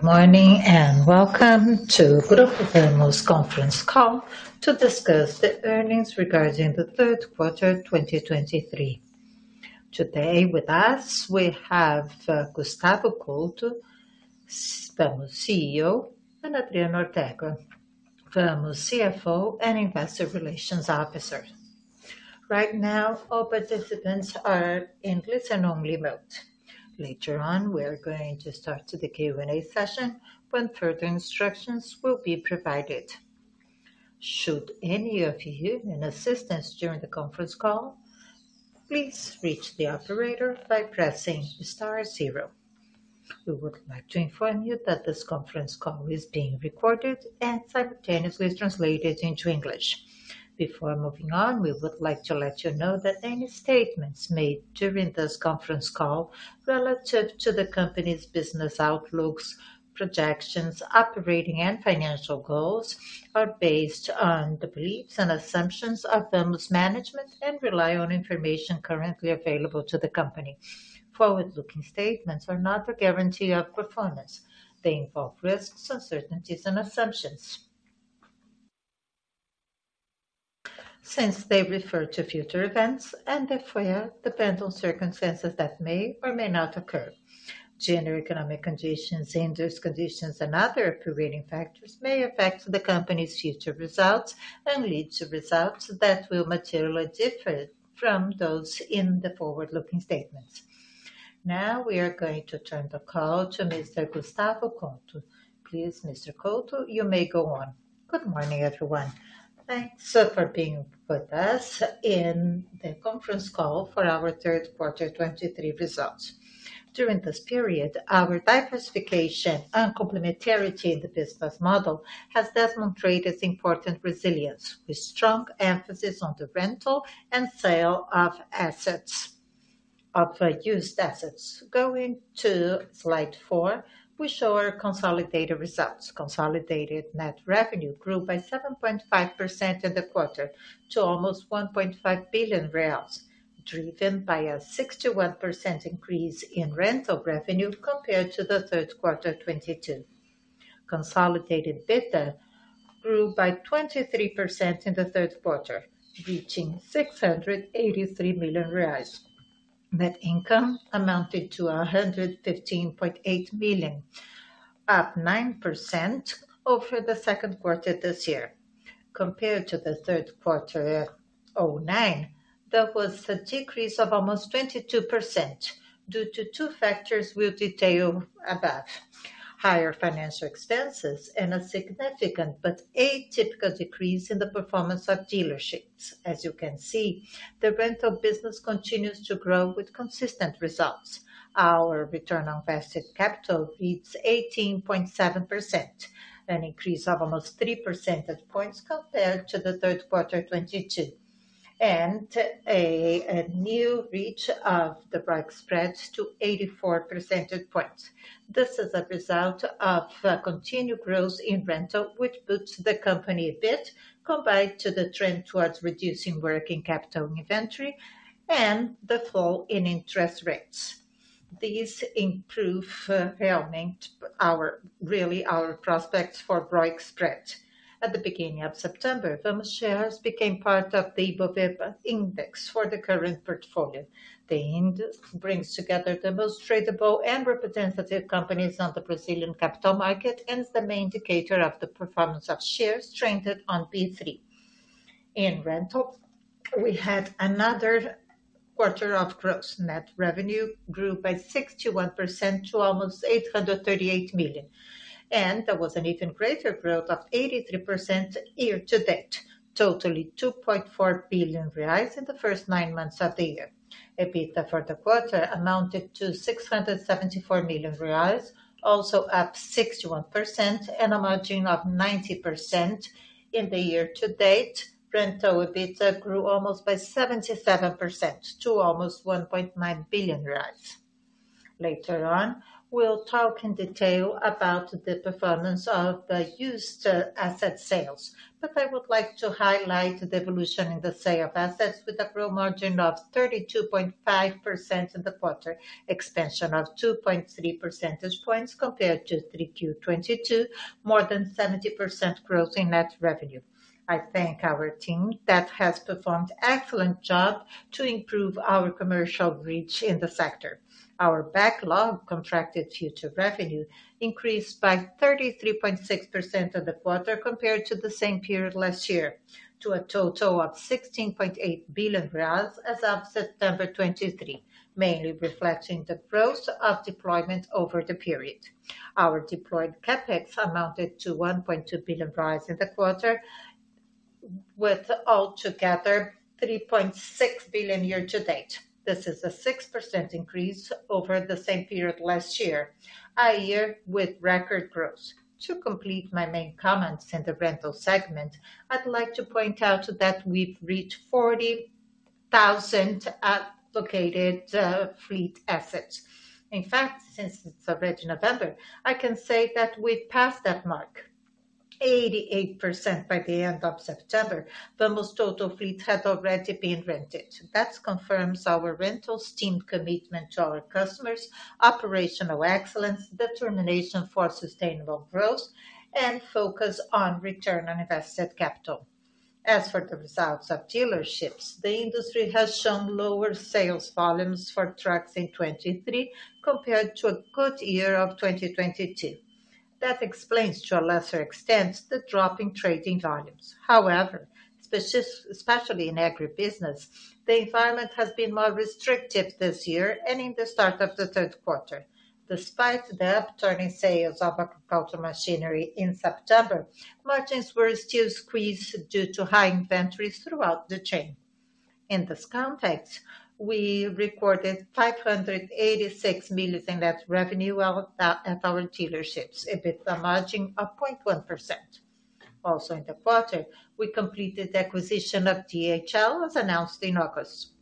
Good morning, and welcome to Grupo Vamos conference call to discuss the earnings regarding the Q3 2023. Today with us, we have Gustavo Couto, the CEO, and Adriano Ortega, Vamos CFO and investor relations officer. Right now, all participants are in listen-only mode. Later on, we are going to start to the Q&A session, when further instructions will be provided. Should any of you need assistance during the conference call, please reach the operator by pressing star zero. We would like to inform you that this conference call is being recorded and simultaneously translated into English. Before moving on, we would like to let you know that any statements made during this conference call relative to the company's business outlooks, projections, operating, and financial goals are based on the beliefs and assumptions of Vamos management and rely on information currently available to the company. Forward-looking statements are not a guarantee of performance. They involve risks, uncertainties and assumptions. Since they refer to future events and therefore depend on circumstances that may or may not occur. General economic conditions, industry conditions, and other operating factors may affect the company's future results and lead to results that will materially differ from those in the forward-looking statements. Now, we are going to turn the call to Mr. Gustavo Couto. Please, Mr. Couto, you may go on. Good morning, everyone. Thanks so much for being with us in the conference call for our Q3 2023 results. During this period, our diversification and complementarity in the business model has demonstrated important resilience, with strong emphasis on the rental and sale of assets, of, used assets. Going to slide four, we show our consolidated results. Consolidated net revenue grew by 7.5% in the quarter to almost 1.5 billion reais, driven by a 61% increase in rental revenue compared to the Q3 2022. Consolidated EBITDA grew by 23% in the Q3, reaching 683 million reais. Net income amounted to a hundred and fifteen point eight billion, up 9% over the Q2 this year. Compared to the Q3 2009, there was a decrease of almost 22% due to two factors we'll detail about: higher financial expenses and a significant but a typical decrease in the performance of dealerships. As you can see, the rental business continues to grow with consistent results. Our return on asset capital hits 18.7%, an increase of almost three percentage points compared to the Q3 2022, and a new reach of the ROIC spreads to 84 percentage points. This is a result of continued growth in rental, which boosts the company a bit, combined to the trend towards reducing working capital inventory and the fall in interest rates. These improve really our prospects for ROIC spread. At the beginning of September, Vamos shares became part of the Ibovespa index for the current portfolio. The index brings together the most tradable and representative companies on the Brazilian capital market, and is the main indicator of the performance of shares traded on B3. In rental, we had another quarter of gross net revenue grew by 61% to almost 838 million. There was an even greater growth of 83% year-to-date, totaling 2.4 billion reais in the first nine months of the year. EBITDA for the quarter amounted to 674 million reais, also up 61% and a margin of 90%. In the year-to-date, rental EBITDA grew almost by 77% to almost 1.9 billion. Later on, we'll talk in detail about the performance of the used asset sales, but I would like to highlight the evolution in the sale of assets with a growth margin of 32.5% in the quarter, expansion of 2.3 percentage points compared to Q3 2022, more than 70% growth in net revenue. I thank our team that has performed excellent job to improve our commercial reach in the sector. Our backlog contracted future revenue increased by 33.6% of the quarter compared to the same period last year, to a total of BRL 16.8 billion as of September 2023, mainly reflecting the growth of deployment over the period. Our deployed CapEx amounted to 1.2 billion in the quarter, with altogether 3.6 billion year to date. This is a 6% increase over the same period last year, a year with record growth. To complete my main comments in the rental segment, I'd like to point out that we've reached 40,000 allocated fleet assets. In fact, since the beginning of November, I can say that we've passed that mark. 88% by the end of September, Vamos total fleet had already been rented. That confirms our rental stream commitment to our customers, operational excellence, determination for sustainable growth, and focus on return on invested capital. As for the results of dealerships, the industry has shown lower sales volumes for trucks in 2023 compared to a good year of 2022. That explains, to a lesser extent, the drop in trading volumes. However, especially in agribusiness, the environment has been more restrictive this year and in the start of the Q3. Despite the upturn in sales of agricultural machinery in September, margins were still squeezed due to high inventories throughout the chain. In this context, we recorded 586 million in net revenue out of, at our dealerships, a bit of margin of 0.1%. Also, in the quarter, we completed the acquisition of DHM, as announced in August.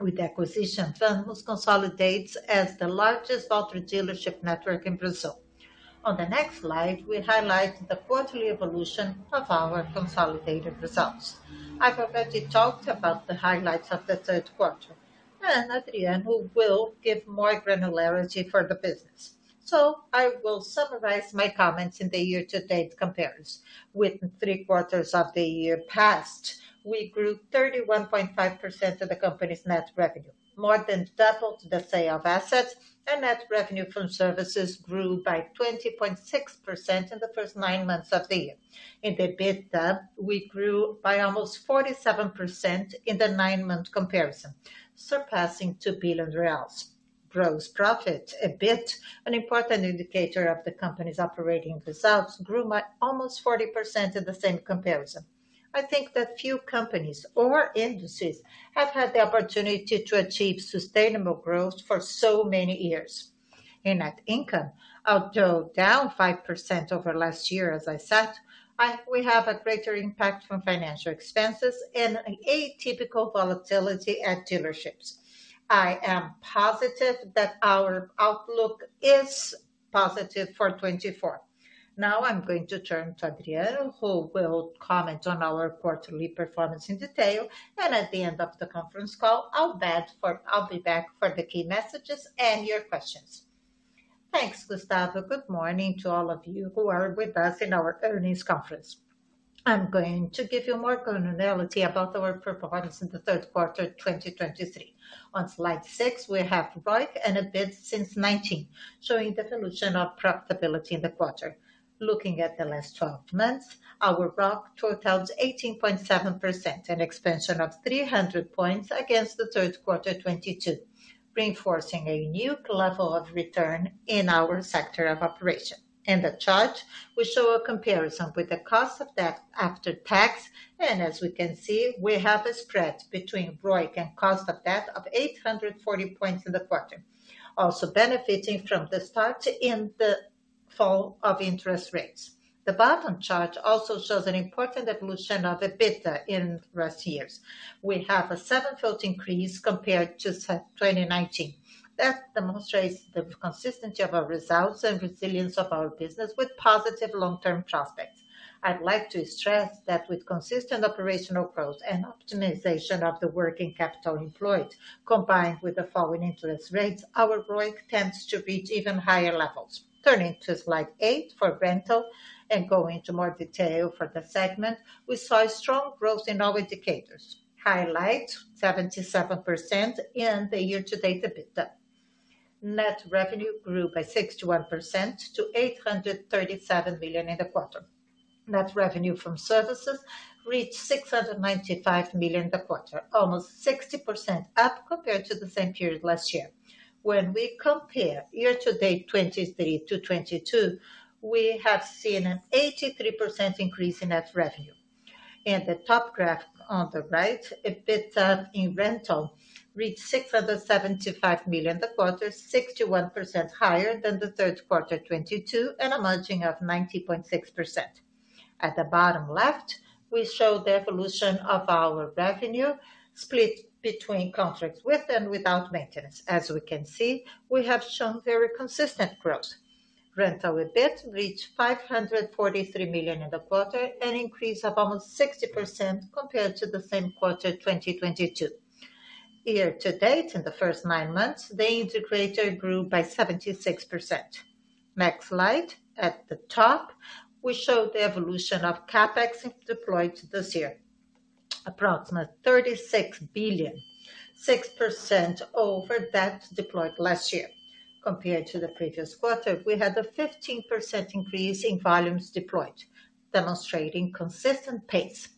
With the acquisition, Vamos consolidates as the larges t Valtra dealership network in Brazil. On the next slide, we highlight the quarterly evolution of our consolidated results. I've already talked about the highlights of the Q3, and Adriano, who will give more granularity for the business. So I will summarize my comments in the year-to-date comparison. With three quarters of the year passed, we grew 31.5% of the company's net revenue, more than doubled the sale of assets, and net revenue from services grew by 20.6% in the first nine months of the year. In the EBITDA, we grew by almost 47% in the nine-month comparison, surpassing 2 billion reais. Gross profit, EBIT, an important indicator of the company's operating results, grew by almost 40% in the same comparison. I think that few companies or industries have had the opportunity to achieve sustainable growth for so many years. In net income, although down 5% over last year, as I said, we have a greater impact from financial expenses and an atypical volatility at dealerships. I am positive that our outlook is positive for 2024. Now, I'm going to turn to Adriano, who will comment on our quarterly performance in detail, and at the end of the conference call, I'll be back for the key messages and your questions. Thanks, Gustavo. Good morning to all of you who are with us in our earnings conference. I'm going to give you more granularity about our performance in the Q3 of 2023. On slide six, we have ROIC and EBIT since 2019, showing the evolution of profitability in the quarter. Looking at the last 12 months, our ROIC totaled 18.7%, an expansion of 300 points against the Q3 2022, reinforcing a new level of return in our sector of operation. In the chart, we show a comparison with the cost of debt after tax, and as we can see, we have a spread between ROIC and cost of debt of 840 points in the quarter, also benefiting from the start in the fall of interest rates. The bottom chart also shows an important evolution of EBITDA in recent years. We have a sevenfold increase compared to 2019. That demonstrates the consistency of our results and resilience of our business with positive long-term prospects. I'd like to stress that with consistent operational growth and optimization of the working capital employed, combined with the falling interest rates, our ROIC tends to reach even higher levels. Turning to slide eight for rental and going into more detail for the segment, we saw a strong growth in all indicators, highlight 77% in the year-to-date EBITDA. Net revenue grew by 61% to 837 billion in the quarter. Net revenue from services reached 695 million in the quarter, almost 60% up compared to the same period last year. When we compare year-to-date 2023 to 2022, we have seen an 83% increase in net revenue. In the top graph on the right, EBITDA in rental reached 675 million in the quarter, 61% higher than the Q3 2022, and a margin of 90.6%. At the bottom left, we show the evolution of our revenue split between contracts with and without maintenance. As we can see, we have shown very consistent growth. Rental EBIT reached 543 million in the quarter, an increase of almost 60% compared to the same quarter, 2022. Year to date, in the first nine months, the integrator grew by 76%. Next slide, at the top, we show the evolution of CapEx deployed this year, approximately 36 billion, 6% over that deployed last year. Compared to the previous quarter, we had a 15% increase in volumes deployed, demonstrating consistent pace.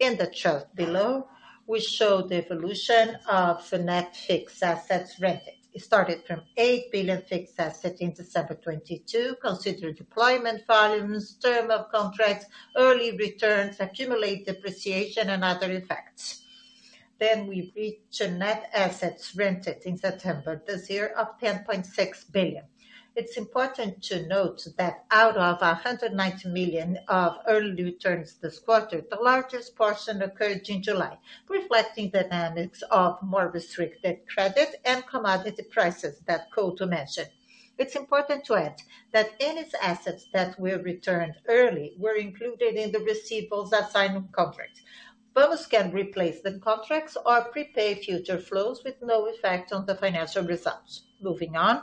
In the chart below, we show the evolution of the net fixed assets rented. It started from 8 billion fixed asset in December 2022, considered deployment volumes, term of contracts, early returns, accumulated depreciation, and other effects. Then we reached net assets rented in September this year of 10.6 billion. It's important to note that out of 190 million of early returns this quarter, the largest portion occurred in July, reflecting the dynamics of more restricted credit and commodity prices that cruel to mention. It's important to add that any assets that were returned early were included in the receivables at signing of contract. Both can replace the contracts or prepay future flows with no effect on the financial results. Moving on,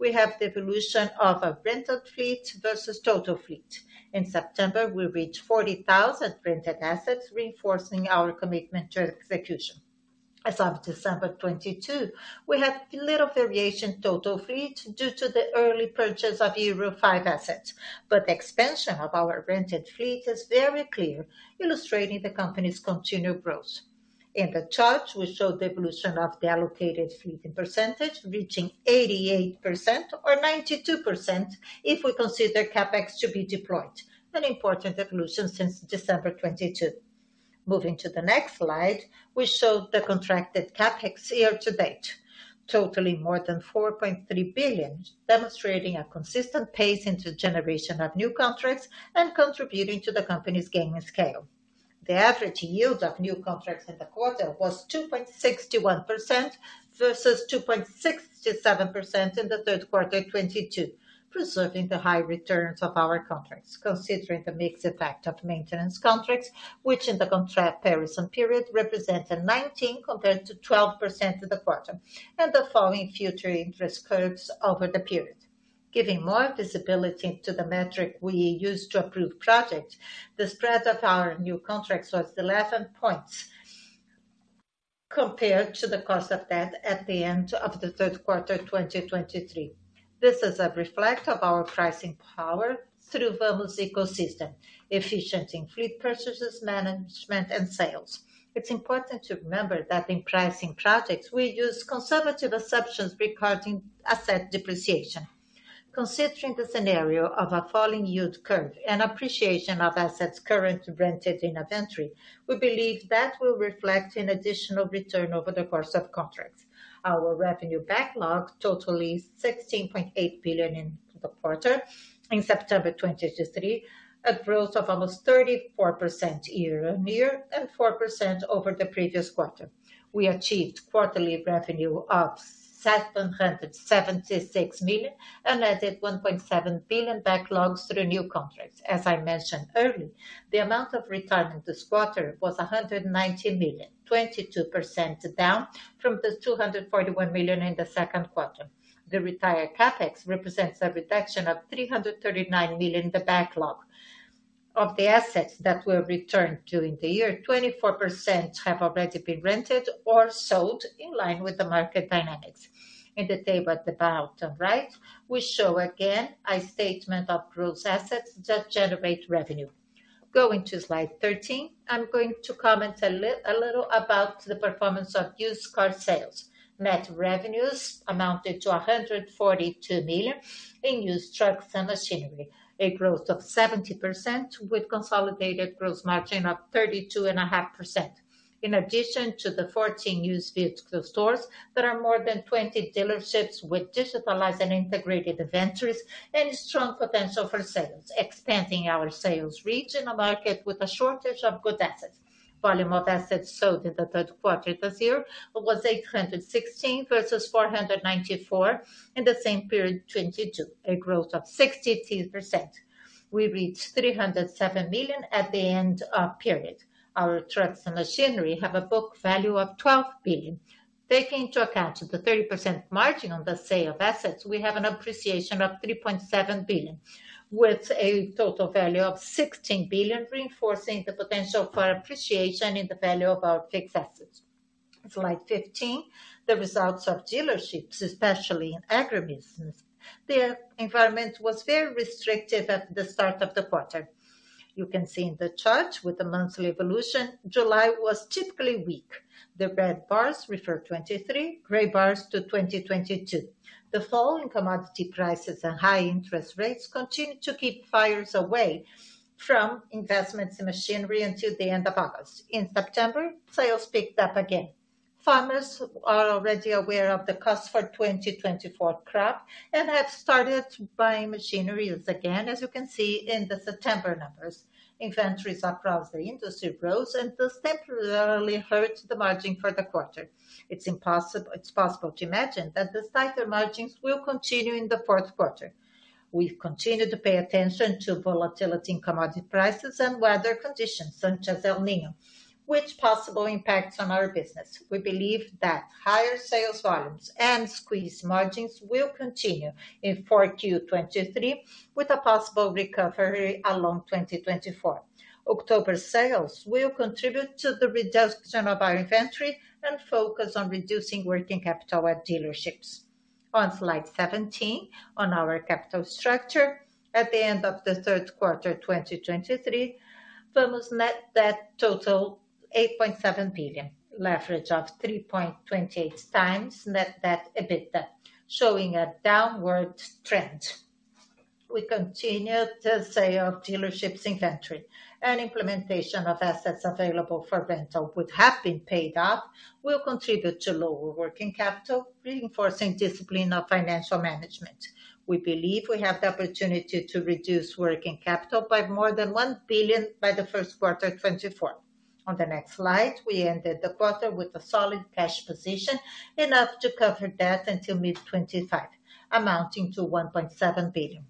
we have the evolution of our rented fleet versus total fleet. In September, we reached 40,000 rented assets, reinforcing our commitment to execution. As of December 2022, we had little variation in total fleet due to the early purchase of Euro V assets, but the expansion of our rented fleet is very clear, illustrating the company's continued growth. In the chart, we show the evolution of the allocated fleet in percentage, reaching 88% or 92% if we consider CapEx to be deployed, an important evolution since December 2022. Moving to the next slide, we show the contracted CapEx year to date, totaling more than 4.3 billion, demonstrating a consistent pace into generation of new contracts and contributing to the company's gaining scale. The average yield of new contracts in the quarter was 2.61% versus 2.67% in the Q3 of 2022, preserving the high returns of our contracts, considering the mixed effect of maintenance contracts, which in the contract comparison period represented 19% compared to 12% of the quarter, and the following future interest curves over the period. Giving more visibility to the metric we use to approve projects, the spread of our new contracts was 11 points compared to the cost of debt at the end of the Q3 of 2023. This is a reflection of our pricing power through Vamos ecosystem, efficient in fleet purchases, management, and sales. It's important to remember that in pricing projects, we use conservative assumptions regarding asset depreciation. Considering the scenario of a falling yield curve and appreciation of assets currently rented in inventory, we believe that will reflect an additional return over the course of contracts. Our revenue backlog totaled 16.8 billion in the quarter. In September 2023, a growth of almost 34% year-on-year and 4% over the previous quarter. We achieved quarterly revenue of 776 million and added 1.7 billion backlogs through new contracts. As I mentioned earlier, the amount of return in this quarter was 190 million, 22% down from the 241 million in the Q2. The retired CapEx represents a reduction of 339 million in the backlog. Of the assets that were returned during the year, 24% have already been rented or sold in line with the market dynamics. In the table at the bottom right, we show again a statement of gross assets that generate revenue. Going to slide 13, I'm going to comment a little about the performance of used car sales. Net revenues amounted to 142 million in used trucks and machinery, a growth of 70% with consolidated gross margin of 32.5%. In addition to the 14 used vehicle stores, there are more than 20 dealerships with digitized and integrated inventories and strong potential for sales, expanding our sales reach in a market with a shortage of good assets. Volume of assets sold in the Q3 this year was 816 versus 494 in the same period 2022, a growth of 62%. We reached 307 million at the end of period. Our trucks and machinery have a book value of 12 billion. Taking into account the 30% margin on the sale of assets, we have an appreciation of 3.7 billion, with a total value of 16 billion, reinforcing the potential for appreciation in the value of our fixed assets. Slide 15, the results of dealerships, especially in agri business. Their environment was very restrictive at the start of the quarter. You can see in the chart with the monthly evolution, July was typically weak. The red bars refer to 2023, gray bars to 2022. The fall in commodity prices and high interest rates continued to keep buyers away from investments in machinery until the end of August. In September, sales picked up again. Farmers are already aware of the cost for 2024 crop and have started buying machinery once again, as you can see in the September numbers. Inventories across the industry rose, and this temporarily hurt the margin for the quarter. It's possible to imagine that the tighter margins will continue in the Q4. We've continued to pay attention to volatility in commodity prices and weather conditions, such as El Niño, which possible impacts on our business. We believe that higher sales volumes and squeezed margins will continue in Q4 2023, with a possible recovery along 2024. October sales will contribute to the reduction of our inventory and focus on reducing working capital at dealerships. On slide 17, on our capital structure. At the end of the Q3 of 2023, Vamos net debt total 8.7 billion, leverage of 3.28x net debt EBITDA, showing a downward trend. We continue the sale of dealerships inventory and implementation of assets available for rental, which have been paid up, will contribute to lower working capital, reinforcing discipline of financial management. We believe we have the opportunity to reduce working capital by more than 1 billion by the Q1 of 2024. On the next slide, we ended the quarter with a solid cash position, enough to cover debt until mid-2025, amounting to 1.7 billion.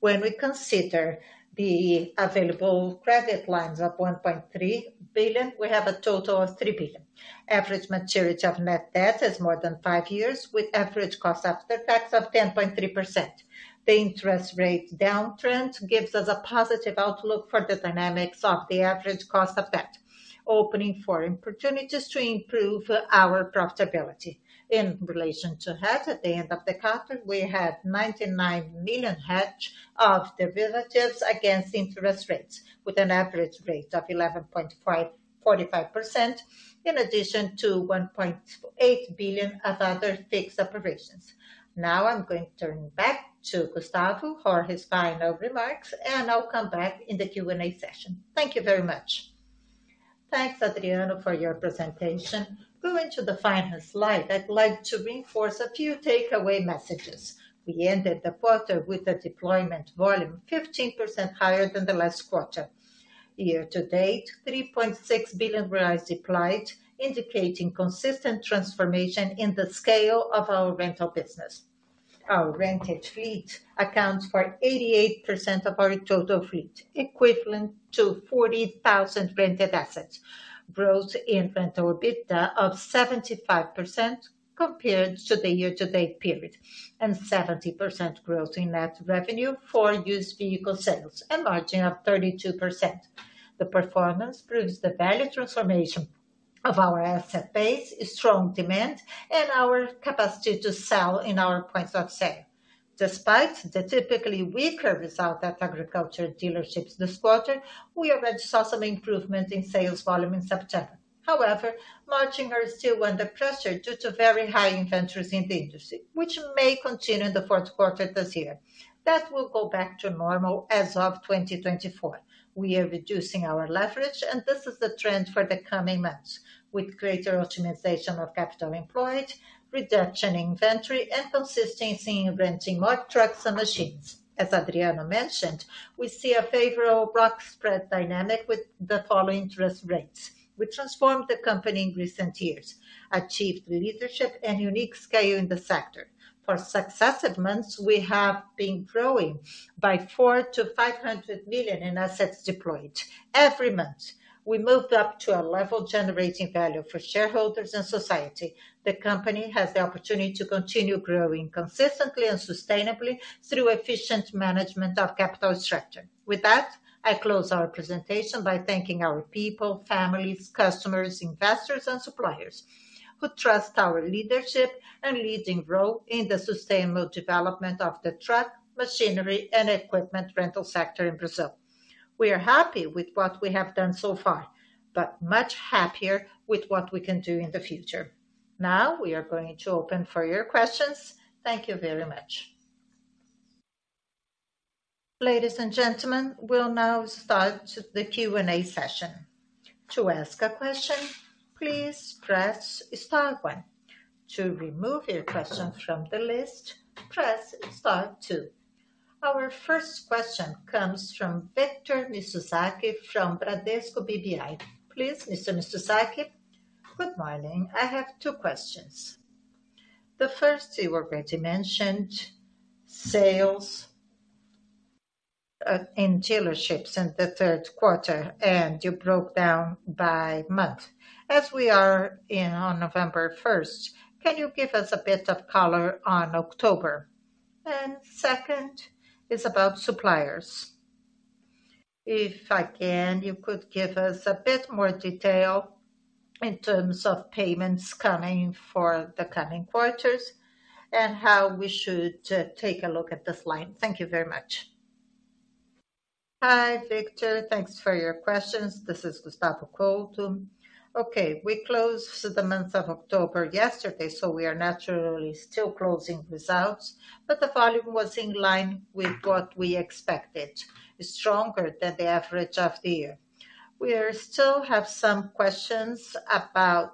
When we consider the available credit lines of 1.3 billion, we have a total of 3 billion. Average maturity of net debt is more than 5 years, with average cost after tax of 10.3%. The interest rate downtrend gives us a positive outlook for the dynamics of the average cost of debt, opening for opportunities to improve our profitability. In relation to hedge, at the end of the quarter, we had 99 million hedge of derivatives against interest rates, with an average rate of 11.5%-45%, in addition to 1.8 billion of other fixed operations. Now, I'm going to turn back to Gustavo for his final remarks, and I'll come back in the Q&A session. Thank you very much. Thanks, Adriano, for your presentation. Going to the final slide, I'd like to reinforce a few takeaway messages. We ended the quarter with a deployment volume 15% higher than the last quarter. Year to date, 3.6 billion reais deployed, indicating consistent transformation in the scale of our rental business. Our rented fleet accounts for 88% of our total fleet, equivalent to 40,000 rented assets. Growth in rental EBITDA of 75% compared to the year-to-date period, and 70% growth in net revenue for used vehicle sales, a margin of 32%. The performance proves the value transformation of our asset base, a strong demand, and our capacity to sell in our points of sale. Despite the typically weaker result at agriculture dealerships this quarter, we already saw some improvement in sales volume in September. However, margins are still under pressure due to very high inventories in the industry, which may continue in the Q4 this year. That will go back to normal as of 2024. We are reducing our leverage, and this is the trend for the coming months, with greater optimization of capital employed, reduction in inventory, and consistency in renting more trucks and machines. As Adriano mentioned, we see a favorable broad spread dynamic with the falling interest rates, which transformed the company in recent years, achieved leadership and unique scale in the sector. For successive months, we have been growing by 400 million-500 million in assets deployed. Every month, we moved up to a level generating value for shareholders and society. The company has the opportunity to continue growing consistently and sustainably through efficient management of capital structure. With that, I close our presentation by thanking our people, families, customers, investors, and suppliers who trust our leadership and leading role in the sustainable development of the truck, machinery, and equipment rental sector in Brazil. We are happy with what we have done so far, but much happier with what we can do in the future. Now, we are going to open for your questions. Thank you very much. Ladies and gentlemen, we'll now start the Q&A session. To ask a question, please press star one. To remove your question from the list, press star two. Our first question comes from Victor Mizusaki from Bradesco BBI. Please, Mr. Mizusaki. Good morning. I have two questions. The first, you already mentioned, sales in dealerships in the Q3, and you broke down by month. As we are in on November first, can you give us a bit of color on October? And second is about suppliers. If I can, you could give us a bit more detail in terms of payments coming for the coming quarters and how we should take a look at the slide. Thank you very much. Hi, Victor. Thanks for your questions. This is Gustavo Couto. Okay, we closed the month of October yesterday, so we are naturally still closing results, but the volume was in line with what we expected, stronger than the average of the year. We still have some questions about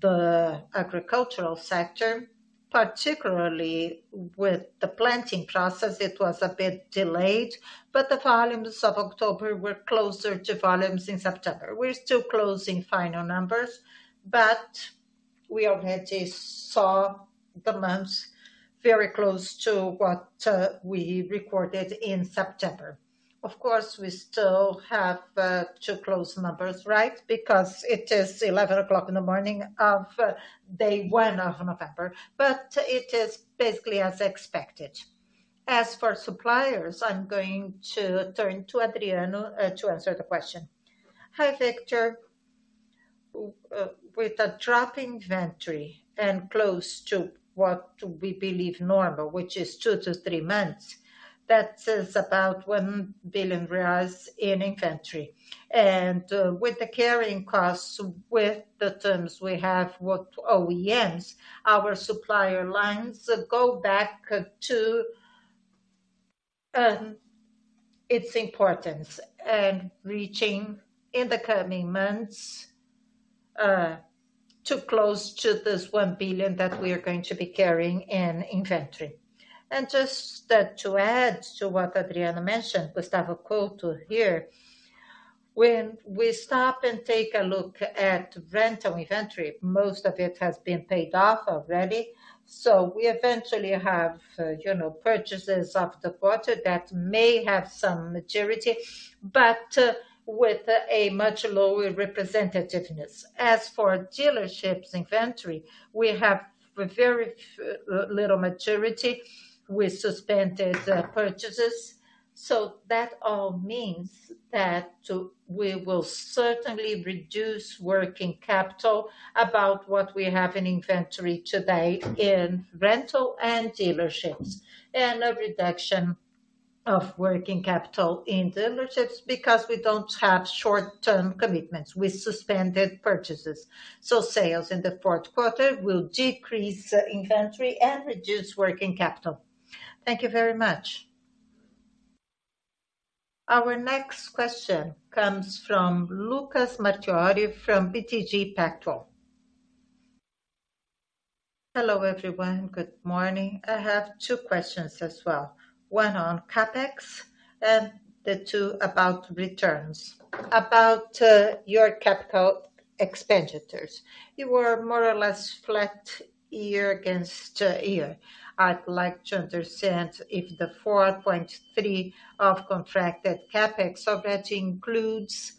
the agricultural sector, particularly with the planting process. It was a bit delayed, but the volumes of October were closer to volumes in September. We're still closing final numbers, but we already saw the months very close to what we recorded in September. Of course, we still have to close numbers, right? Because it is 11:00 A.M. of day one of November, but it is basically as expected. As for suppliers, I'm going to turn to Adriano to answer the question. Hi, Victor. With a drop inventory and close to what we believe normal, which is two-three months, that is about 1 billion reais in inventory. And, with the carrying costs, with the terms we have with OEMs, our supplier lines go back to its importance and reaching in the coming months too close to this 1 billion that we are going to be carrying in inventory. And just to add to what Adriano mentioned, Gustavo Couto here. When we stop and take a look at rental inventory, most of it has been paid off already. So we eventually have, you know, purchases of the quarter that may have some maturity, but with a much lower representativeness. As for dealerships inventory, we have a very little maturity with suspended purchases. So that all means that to we will certainly reduce working capital about what we have in inventory today in rental and dealerships, and a reduction of working capital in dealerships because we don't have short-term commitments with suspended purchases. So sales in the Q4 will decrease inventory and reduce working capital. Thank you very much. Our next question comes from Lucas Marquiori, from BTG Pactual. Hello, everyone. Good morning. I have two questions as well. One on CapEx, and the two about returns. About, your capital expenditures. You were more or less flat year-over-year. I'd like to understand if the 4.3 of contracted CapEx, so that includes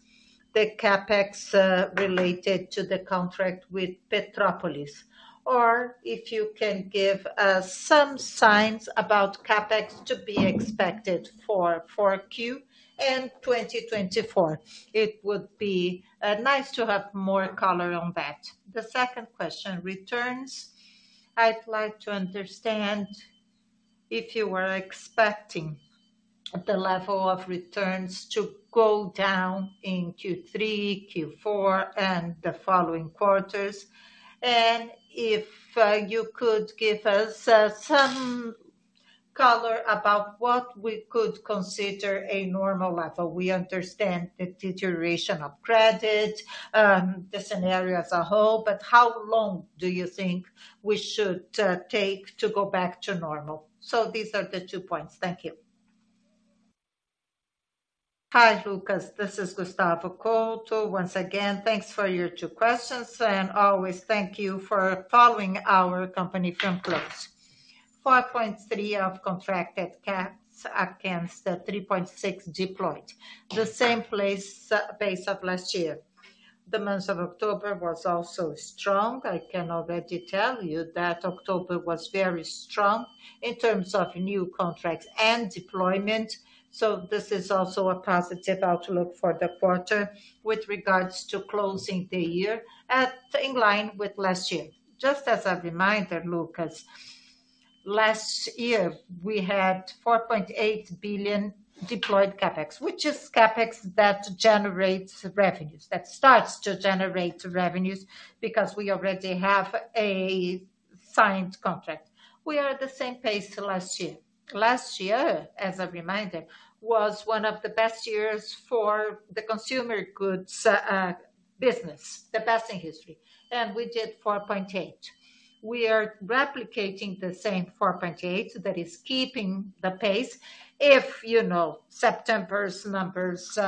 the CapEx related to the contract with Petrópolis? Or if you can give, some signs about CapEx to be expected for Q4 and 2024. It would be nice to have more color on that. The second question, returns. I'd like to understand if you were expecting the level of returns to go down in Q3, Q4, and the following quarters, and if you could give us some color about what we could consider a normal level. We understand the deterioration of credit, the scenario as a whole, but how long do you think we should take to go back to normal? So these are the two points. Thank you. Hi, Lucas. This is Gustavo Couto. Once again, thanks for your two questions, and always thank you for following our company from close. 4.3 of contracted CapEx against the 3.6 deployed, the same pace of last year. The month of October was also strong. I can already tell you that October was very strong in terms of new contracts and deployment, so this is also a positive outlook for the quarter with regards to closing the year at, in line with last year. Just as a reminder, Lucas, last year, we had 4.8 billion deployed CapEx, which is CapEx that generates revenues. That starts to generate revenues because we already have a signed contract. We are at the same pace to last year. Last year, as a reminder, was one of the best years for the consumer goods business, the best in history, and we did 4.8 billion. We are replicating the same 4.8 billion that is keeping the pace. If, you know, September's numbers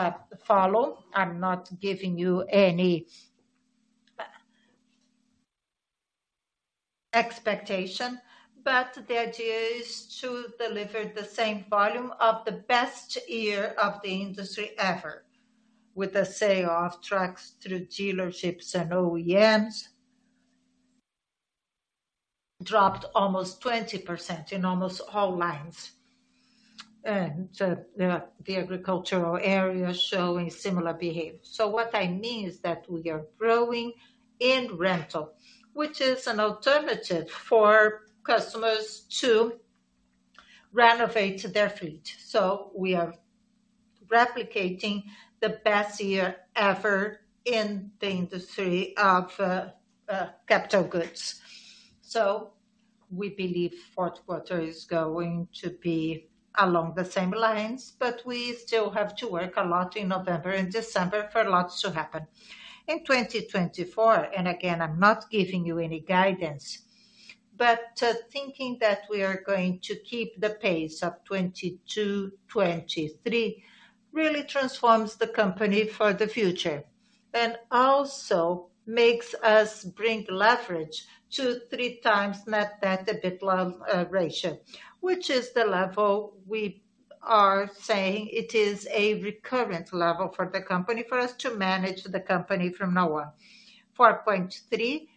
follow, I'm not giving you any expectation, but the idea is to deliver the same volume of the best year of the industry ever, with the sale of trucks through dealerships and OEMs. Dropped almost 20% in almost all lines, and the agricultural area showing similar behavior. So what I mean is that we are growing in rental, which is an alternative for customers to renovate their fleet. So we are replicating the best year ever in the industry of capital goods. So we believe Q4 is going to be along the same lines, but we still have to work a lot in November and December for a lot to happen. In 2024, and again, I'm not giving you any guidance, but thinking that we are going to keep the pace of 2022, 2023, really transforms the company for the future, and also makes us bring leverage to 3x net debt to EBITDA ratio. Which is the level we are saying it is a recurrent level for the company, for us to manage the company from now on. 4.3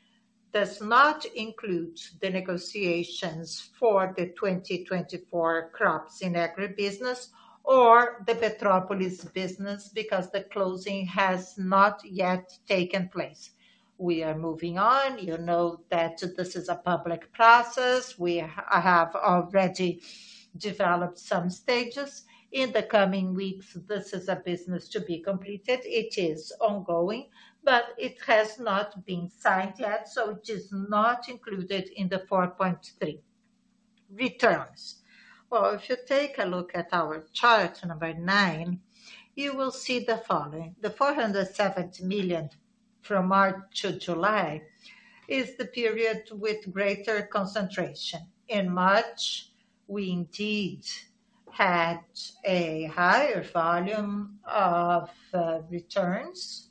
does not include the negotiations for the 2024 crops in agribusiness or the Petrópolis business, because the closing has not yet taken place. We are moving on. You know that this is a public process. We have already developed some stages. In the coming weeks, this is a business to be completed. It is ongoing, but it has not been signed yet, so it is not included in the 4.3 Returns. Well, if you take a look at our chart number nine, you will see the following: the 470 million from March to July is the period with greater concentration. In March, we indeed had a higher volume of returns.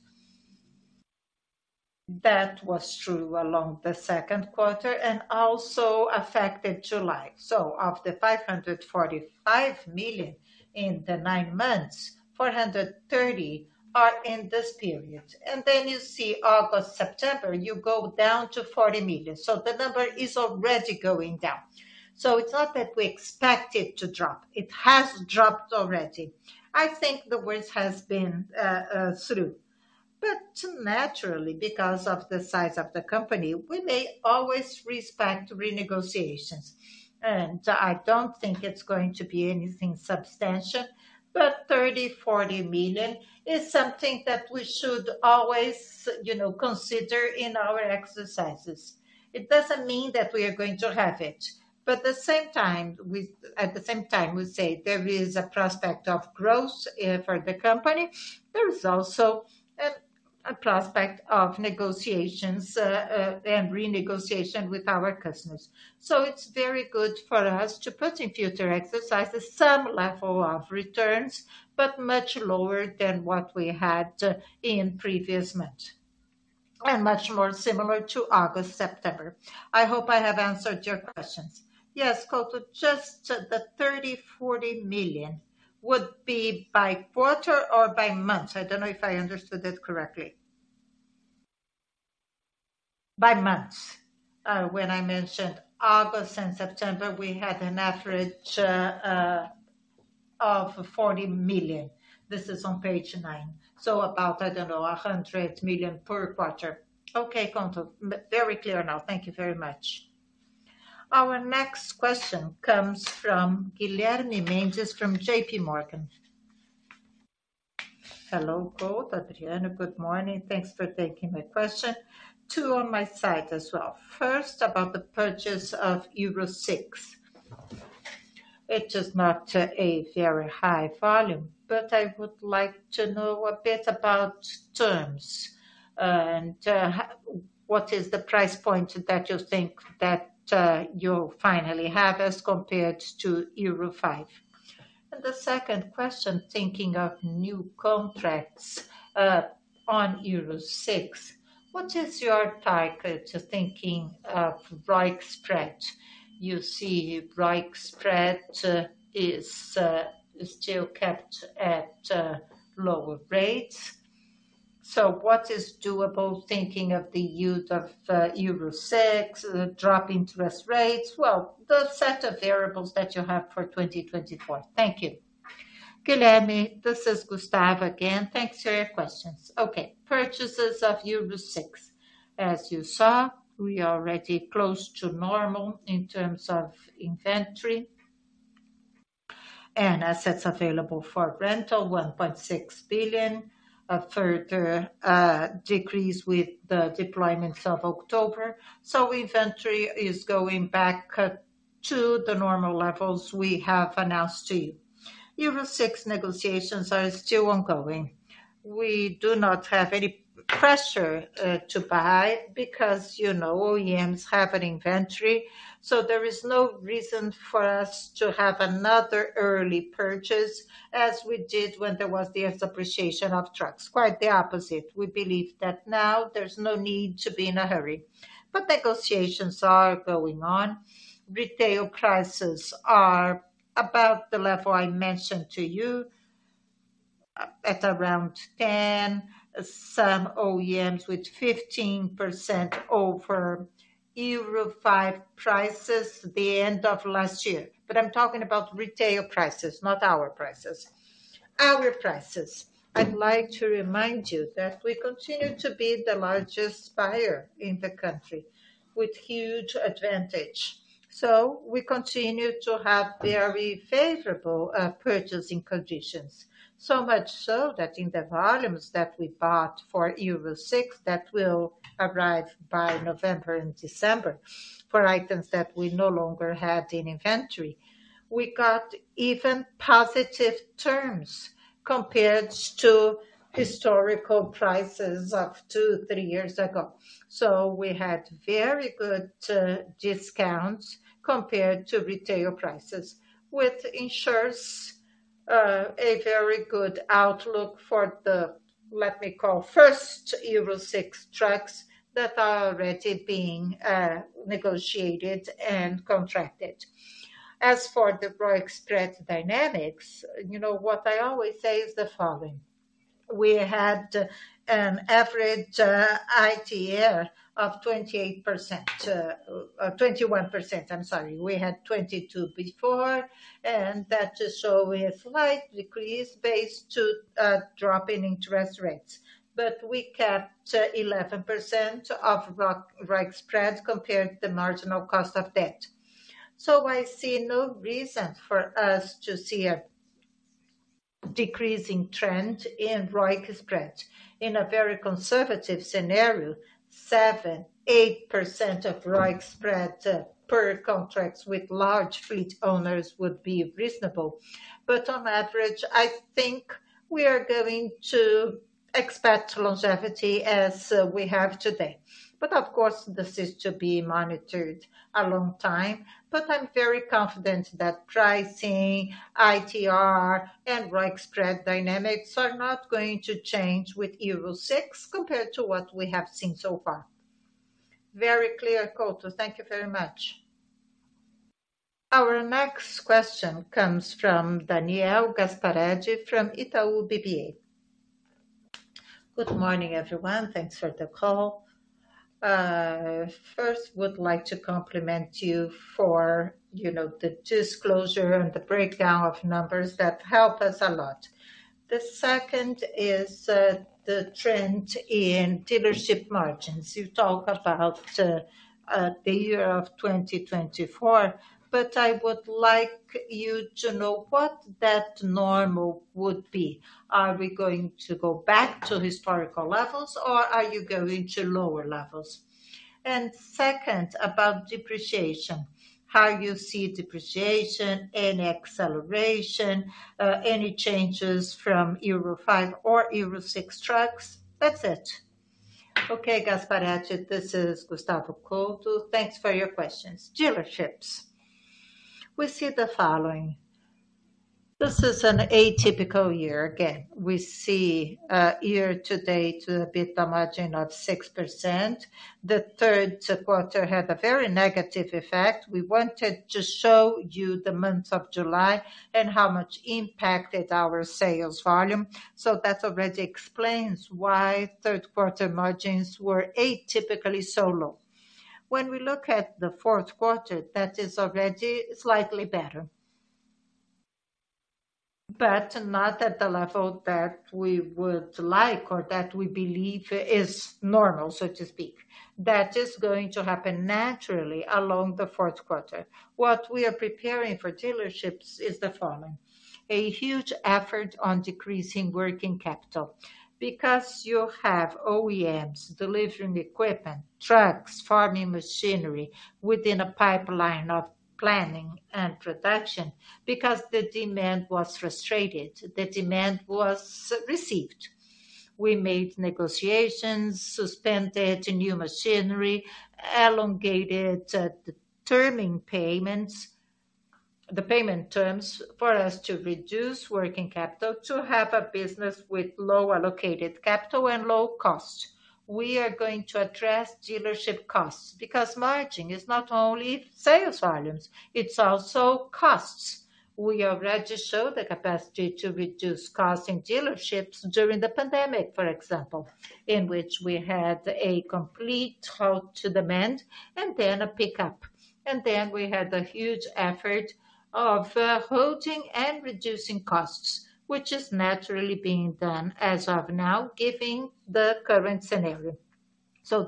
That was true along the Q2 and also affected July. So of the 545 million in the nine months, 430 million are in this period. And then you see August, September, you go down to 40 million. So the number is already going down. So it's not that we expect it to drop. It has dropped already. I think the worst has been through. But naturally, because of the size of the company, we may always expect renegotiations. I don't think it's going to be anything substantial, but 30 million-40 million is something that we should always, you know, consider in our exercises. It doesn't mean that we are going to have it, but at the same time, we say there is a prospect of growth, for the company, there is also a prospect of negotiations, and renegotiation with our customers. So it's very good for us to put in future exercises some level of returns, but much lower than what we had in previous months, and much more similar to August, September. I hope I have answered your questions. Yes, Couto, just the 30 million-40 million would be by quarter or by month? I don't know if I understood it correctly. By months. When I mentioned August and September, we had an average of 40 million. This is on page nine. So about, I don't know, 100 million per quarter. Okay, Couto. Very clear now. Thank you very much. Our next question comes from Guilherme Mendes, from JP Morgan. Hello, Couto, Adriano, good morning. Thanks for taking my question. Two on my side as well. First, about the purchase of Euro VI. It is not a very high volume, but I would like to know a bit about terms, and what is the price point that you think that you finally have as compared to Euro V? And the second question, thinking of new contracts on Euro VI, what is your target to thinking of right spread? You see, right spread is still kept at lower rates. So what is doable, thinking of the use of Euro VI, the drop interest rates? Well, the set of variables that you have for 2024. Thank you. Guilherme, this is Gustavo again. Thanks for your questions. Okay, purchases of Euro VI. As you saw, we are already close to normal in terms of inventory and assets available for rental, 1.6 billion, a further decrease with the deployments of October. So inventory is going back to the normal levels we have announced to you. Euro VI negotiations are still ongoing. We do not have any pressure to buy because, you know, OEMs have an inventory, so there is no reason for us to have another early purchase as we did when there was the appreciation of trucks. Quite the opposite. We believe that now there's no need to be in a hurry, but negotiations are going on. Retail prices are about the level I mentioned to you, at around 10, some OEMs with 15% over Euro V prices the end of last year. But I'm talking about retail prices, not our prices. Our prices, I'd like to remind you that we continue to be the largest buyer in the country with huge advantage. So we continue to have very favorable purchasing conditions. So much so that in the volumes that we bought for Euro VI, that will arrive by November and December, for items that we no longer had in inventory, we got even positive terms compared to historical prices of two-three years ago. So we had very good discounts compared to retail prices, which ensures a very good outlook for the, let me call, first Euro VI trucks that are already being negotiated and contracted. As for the broad spread dynamics, you know what I always say is the following: We had average ITR of 28%, 21%, I'm sorry. We had 22 before, and that just show a slight decrease based to drop in interest rates. But we kept 11% of the ROIC spread compared to the marginal cost of debt. So I see no reason for us to see a decreasing trend in ROIC spread. In a very conservative scenario, 7%-8% of ROIC spread per contracts with large fleet owners would be reasonable. But on average, I think we are going to expect longevity as we have today. But of course, this is to be monitored a long time, but I'm very confident that pricing, ITR, and ROY spread dynamics are not going to change with Euro VI compared to what we have seen so far. Very clear, Couto. Thank you very much. Our next question comes from Daniel Gasparete from Itaú BBA. Good morning, everyone. Thanks for the call. First, would like to compliment you for, you know, the disclosure and the breakdown of numbers that help us a lot. The second is the trend in dealership margins. You talk about the year of 2024, but I would like you to know what that normal would be. Are we going to go back to historical levels, or are you going to lower levels? Second, about depreciation, how you see depreciation and acceleration, any changes from Euro V or Euro VI trucks? That's it. Okay, Gasparete. This is Gustavo Couto. Thanks for your questions. Dealerships. We see the following: this is an atypical year. Again, we see year to date a EBITDA margin of 6%. The Q3 had a very negative effect. We wanted to show you the month of July and how much impacted our sales volume. So that already explains why Q3 margins were atypically so low. When we look at the Q4, that is already slightly better. But not at the level that we would like or that we believe is normal, so to speak. That is going to happen naturally along the Q4. What we are preparing for dealerships is the following: a huge effort on decreasing working capital because you have OEMs delivering equipment, trucks, farming machinery, within a pipeline of planning and production. Because the demand was frustrated, the demand was received. We made negotiations, suspended new machinery, elongated the payment terms, for us to reduce working capital, to have a business with low allocated capital and low cost. We are going to address dealership costs because margin is not only sales volumes, it's also costs. We already showed the capacity to reduce costs in dealerships during the pandemic, for example, in which we had a complete halt to demand and then a pickup. And then we had a huge effort of halting and reducing costs, which is naturally being done as of now, given the current scenario.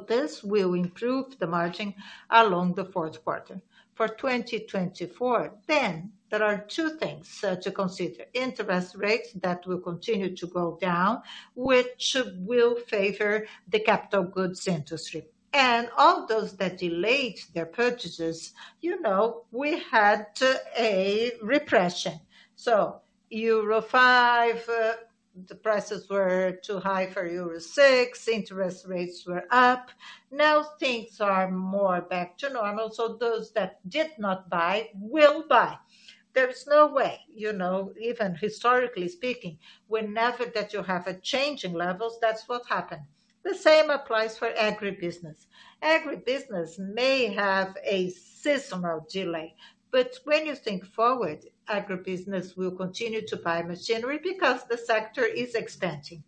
This will improve the margin along the Q4. For 2024, then there are two things, to consider: interest rates that will continue to go down, which will favor the capital goods industry. All those that delayed their purchases, you know, we had a repression. Euro V, the prices were too high for Euro VI, interest rates were up. Now, things are more back to normal, so those that did not buy, will buy. There is no way, you know, even historically speaking, whenever that you have a change in levels, that's what happened. The same applies for agribusiness. Agribusiness may have a seasonal delay, but when you think forward, agribusiness will continue to buy machinery because the sector is expanding.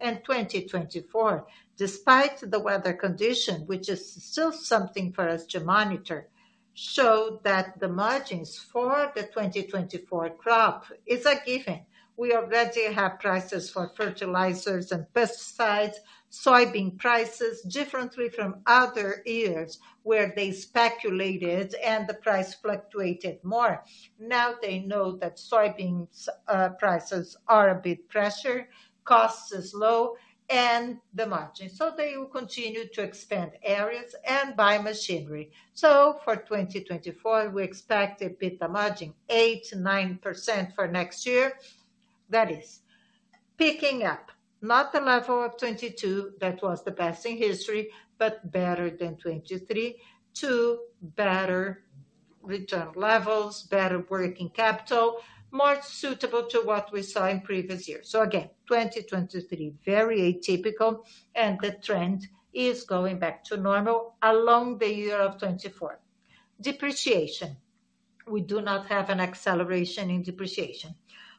2024, despite the weather condition, which is still something for us to monitor, show that the margins for the 2024 crop is a given. We already have prices for fertilizers and pesticides, soybean prices, differently from other years where they speculated and the price fluctuated more. Now, they know that soybeans prices are a bit pressured, cost is low, and the margin. So they will continue to expand areas and buy machinery. So for 2024, we expect a EBITDA margin 8%-9% for next year. That is picking up, not the level of 2022, that was the best in history, but better than 2023, to better return levels, better working capital, more suitable to what we saw in previous years. So again, 2023, very atypical, and the trend is going back to normal along the year of 2024. Depreciation. We do not have an acceleration in depreciation.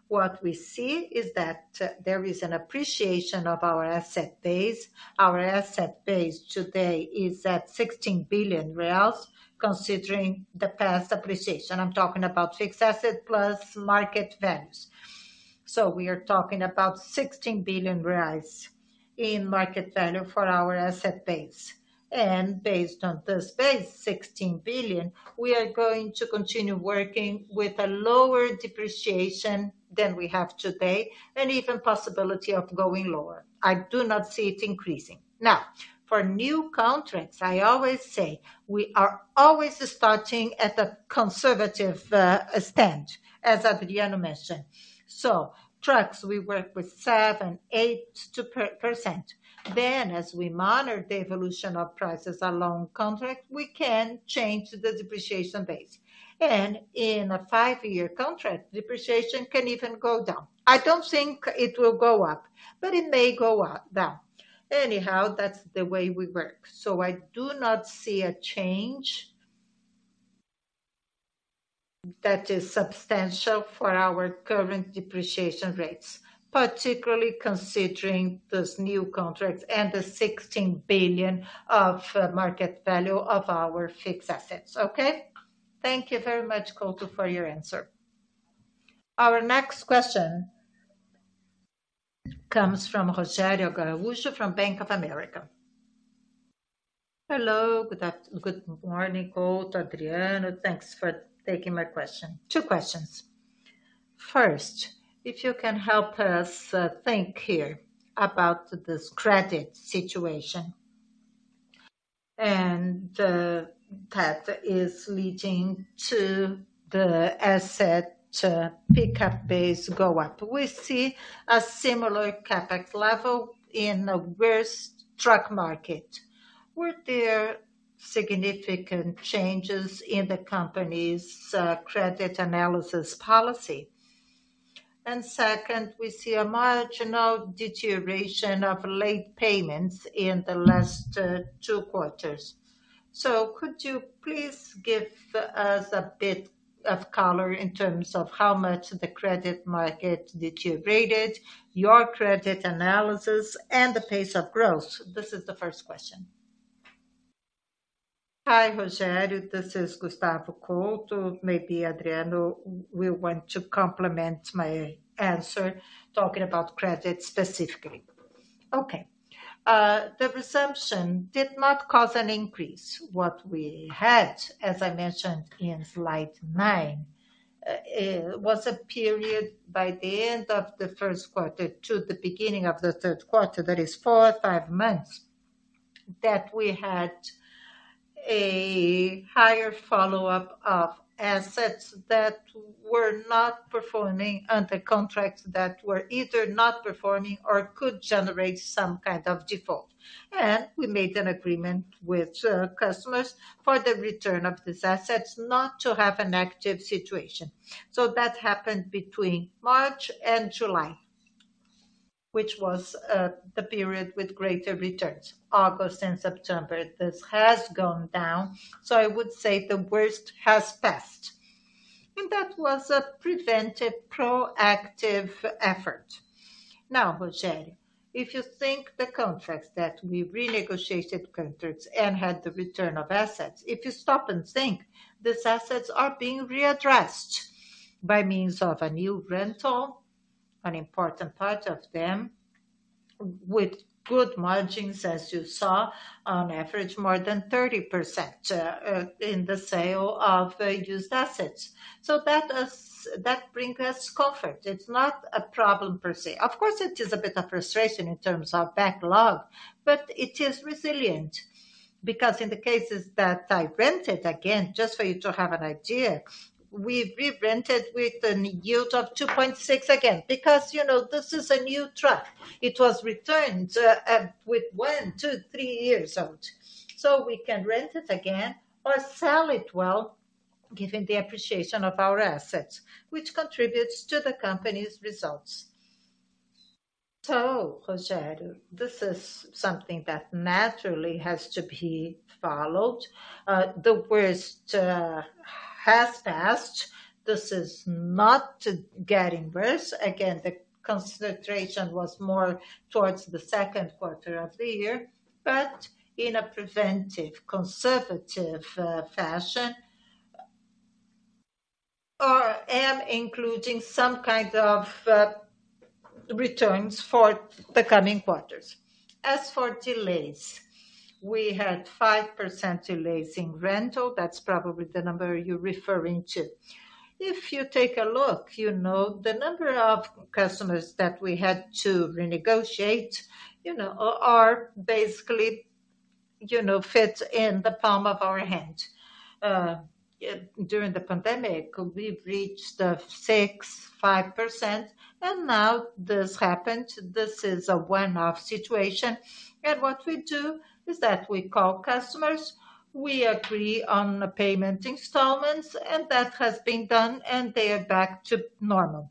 What we see is that, there is an appreciation of our asset base. Our asset base today is at 16 billion reais, considering the past appreciation. I'm talking about fixed asset plus market values. So we are talking about 16 billion reais in market value for our asset base. And based on this base, 16 billion, we are going to continue working with a lower depreciation than we have today, and even possibility of going lower. I do not see it increasing. Now, for new contracts, I always say we are always starting at a conservative, stance, as Adriano mentioned. So trucks, we work with 7-8%. Then as we monitor the evolution of prices along contract, we can change the depreciation base. And in a five-year contract, depreciation can even go down. I don't think it will go up, but it may go up, down. Anyhow, that's the way we work. So I do not see a change that is substantial for our current depreciation rates, particularly considering those new contracts and the 16 billion of market value of our fixed assets. Okay? Thank you very much, Couto, for your answer. Our next question comes from Rogério Araujo, from Bank of America. Hello, good morning, Couto, Adriano. Thanks for taking my question. Two questions. First, if you can help us think here about this credit situation and that is leading to the asset pickup base go up. We see a similar CapEx level in a worse truck market. Were there significant changes in the company's credit analysis policy? And second, we see a marginal deterioration of late payments in the last two quarters. So could you please give us a bit of color in terms of how much the credit market deteriorated, your credit analysis, and the pace of growth? This is the first question. Hi, Rogerio, this is Gustavo Couto. Maybe Adriano will want to complement my answer, talking about credit specifically. Okay, the resumption did not cause an increase. What we had, as I mentioned in slide nine, it was a period by the end of the Q1 to the beginning of the Q3, that is four or five months, that we had a higher follow-up of assets that were not performing under contracts that were either not performing or could generate some kind of default. And we made an agreement with customers for the return of these assets, not to have an active situation. So that happened between March and July, which was the period with greater returns. August and September, this has gone down, so I would say the worst has passed, and that was a preventive, proactive effort. Now, Rogerio, if you think the contracts that we renegotiated contracts and had the return of assets, if you stop and think, these assets are being readdressed by means of a new rental, an important part of them, with good margins, as you saw, on average, more than 30%, in the sale of used assets. So that is that bring us comfort. It's not a problem per se. Of course, it is a bit of frustration in terms of backlog, but it is resilient. Because in the cases that I rented, again, just for you to have an idea, we re-rented with a yield of 2.6 again, because, you know, this is a new truck. It was returned with one, two, three years out. So we can rent it again or sell it well, given the appreciation of our assets, which contributes to the company's results. So, Rogerio, this is something that naturally has to be followed. The worst has passed. This is not getting worse. Again, the concentration was more towards the Q2 of the year, but in a preventive, conservative fashion, and including some kind of returns for the coming quarters. As for delays, we had 5% delays in rental. That's probably the number you're referring to. If you take a look, you know, the number of customers that we had to renegotiate, you know, are basically, you know, fit in the palm of our hand. During the pandemic, we've reached 6.5%, and now this happened. This is a one-off situation. And what we do is that we call customers, we agree on the payment installments, and that has been done, and they are back to normal.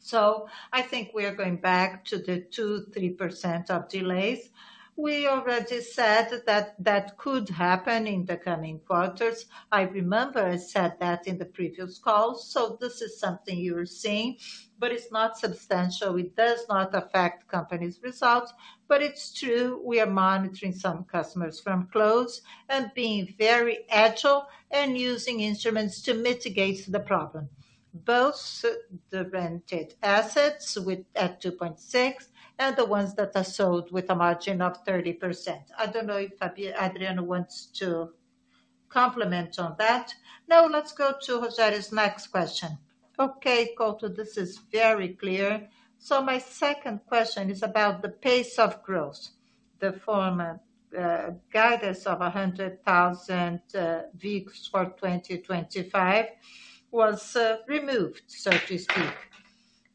So I think we are going back to the 2%-3% of delays. We already said that that could happen in the coming quarters. I remember I said that in the previous call, so this is something you're seeing, but it's not substantial. It does not affect company's results, but it's true, we are monitoring some customers from close and being very agile and using instruments to mitigate the problem, both the rented assets with, at 2.6, and the ones that are sold with a margin of 30%. I don't know if Adriano wants to complement on that. Now let's go to Rog`erio's next question. Okay, Colton, this is very clear. So my second question is about the pace of growth. The former guidance of 100,000 vehicles for 2025 was removed, so to speak.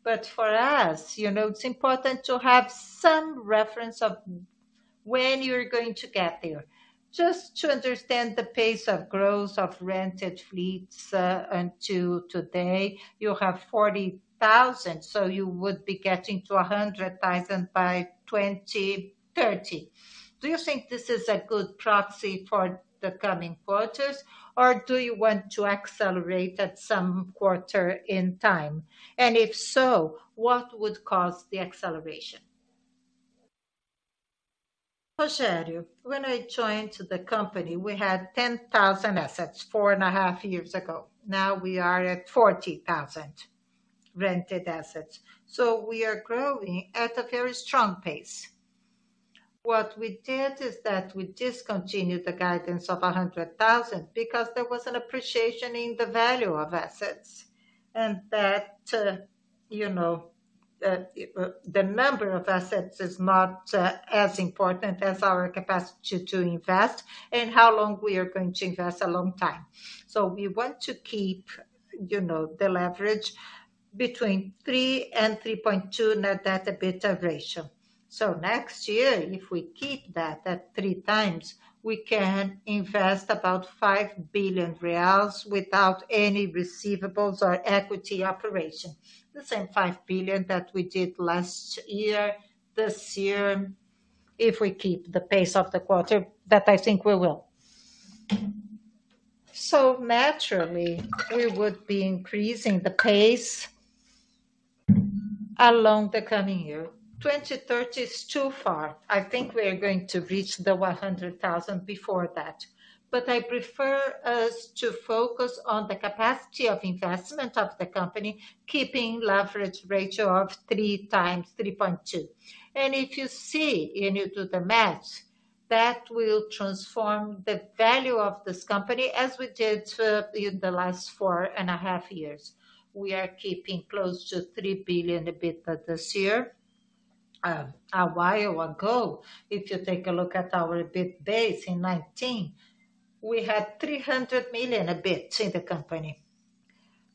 But for us, you know, it's important to have some reference of when you're going to get there. Just to understand the pace of growth of rented fleets, until today, you have 40,000, so you would be getting to 100,000 by 2030. Do you think this is a good proxy for the coming quarters, or do you want to accelerate at some point in time? And if so, what would cause the acceleration? Rogerio, when I joined the company, we had 10,000 assets 4.5 years ago. Now we are at 40,000 rented assets, so we are growing at a very strong pace. What we did is that we discontinued the guidance of 100,000 because there was an appreciation in the value of assets, and that, you know, the number of assets is not as important as our capacity to invest and how long we are going to invest a long time. So we want to keep, you know, the leverage between 3 and 3.2 net debt to EBITDA ratio. So next year, if we keep that at three times, we can invest about 5 billion reais without any receivables or equity operation. The same 5 billion that we did last year, this year, if we keep the pace of the quarter, but I think we will. So naturally, we would be increasing the pace along the coming year. 2030 is too far. I think we are going to reach the 100,000 before that. But I prefer us to focus on the capacity of investment of the company, keeping leverage ratio of 3 times, 3.2. And if you see and you do the math, that will transform the value of this company, as we did in the last four and a half years. We are keeping close to 3 billion EBITDA this year. A while ago, if you take a look at our EBIT base in 2019, we had 300 million EBIT in the company.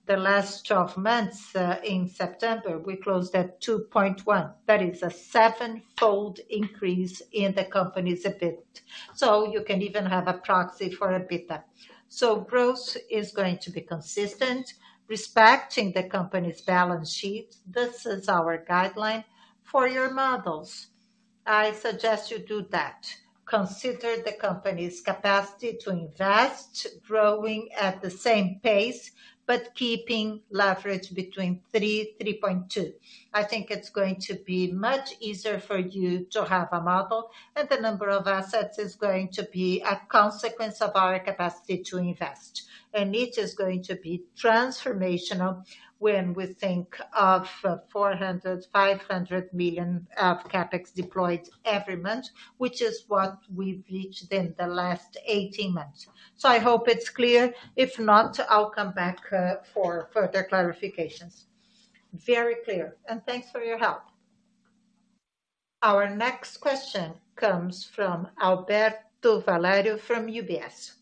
The last twelve months, in September, we closed at 2.1 billion. That is a seven-fold increase in the company's EBIT, so you can even have a proxy for EBITDA. So growth is going to be consistent, respecting the company's balance sheet. This is our guideline for your models. I suggest you do that. Consider the company's capacity to invest, growing at the same pace, but keeping leverage between 3-3.2. I think it's going to be much easier for you to have a model, and the number of assets is going to be a consequence of our capacity to invest. It is going to be transformational when we think of 400 million-500 million of CapEx deployed every month, which is what we've reached in the last 18 months. I hope it's clear. If not, I'll come back for further clarifications. Very clear, and thanks for your help. Our next question comes from Alberto Valerio from UBS.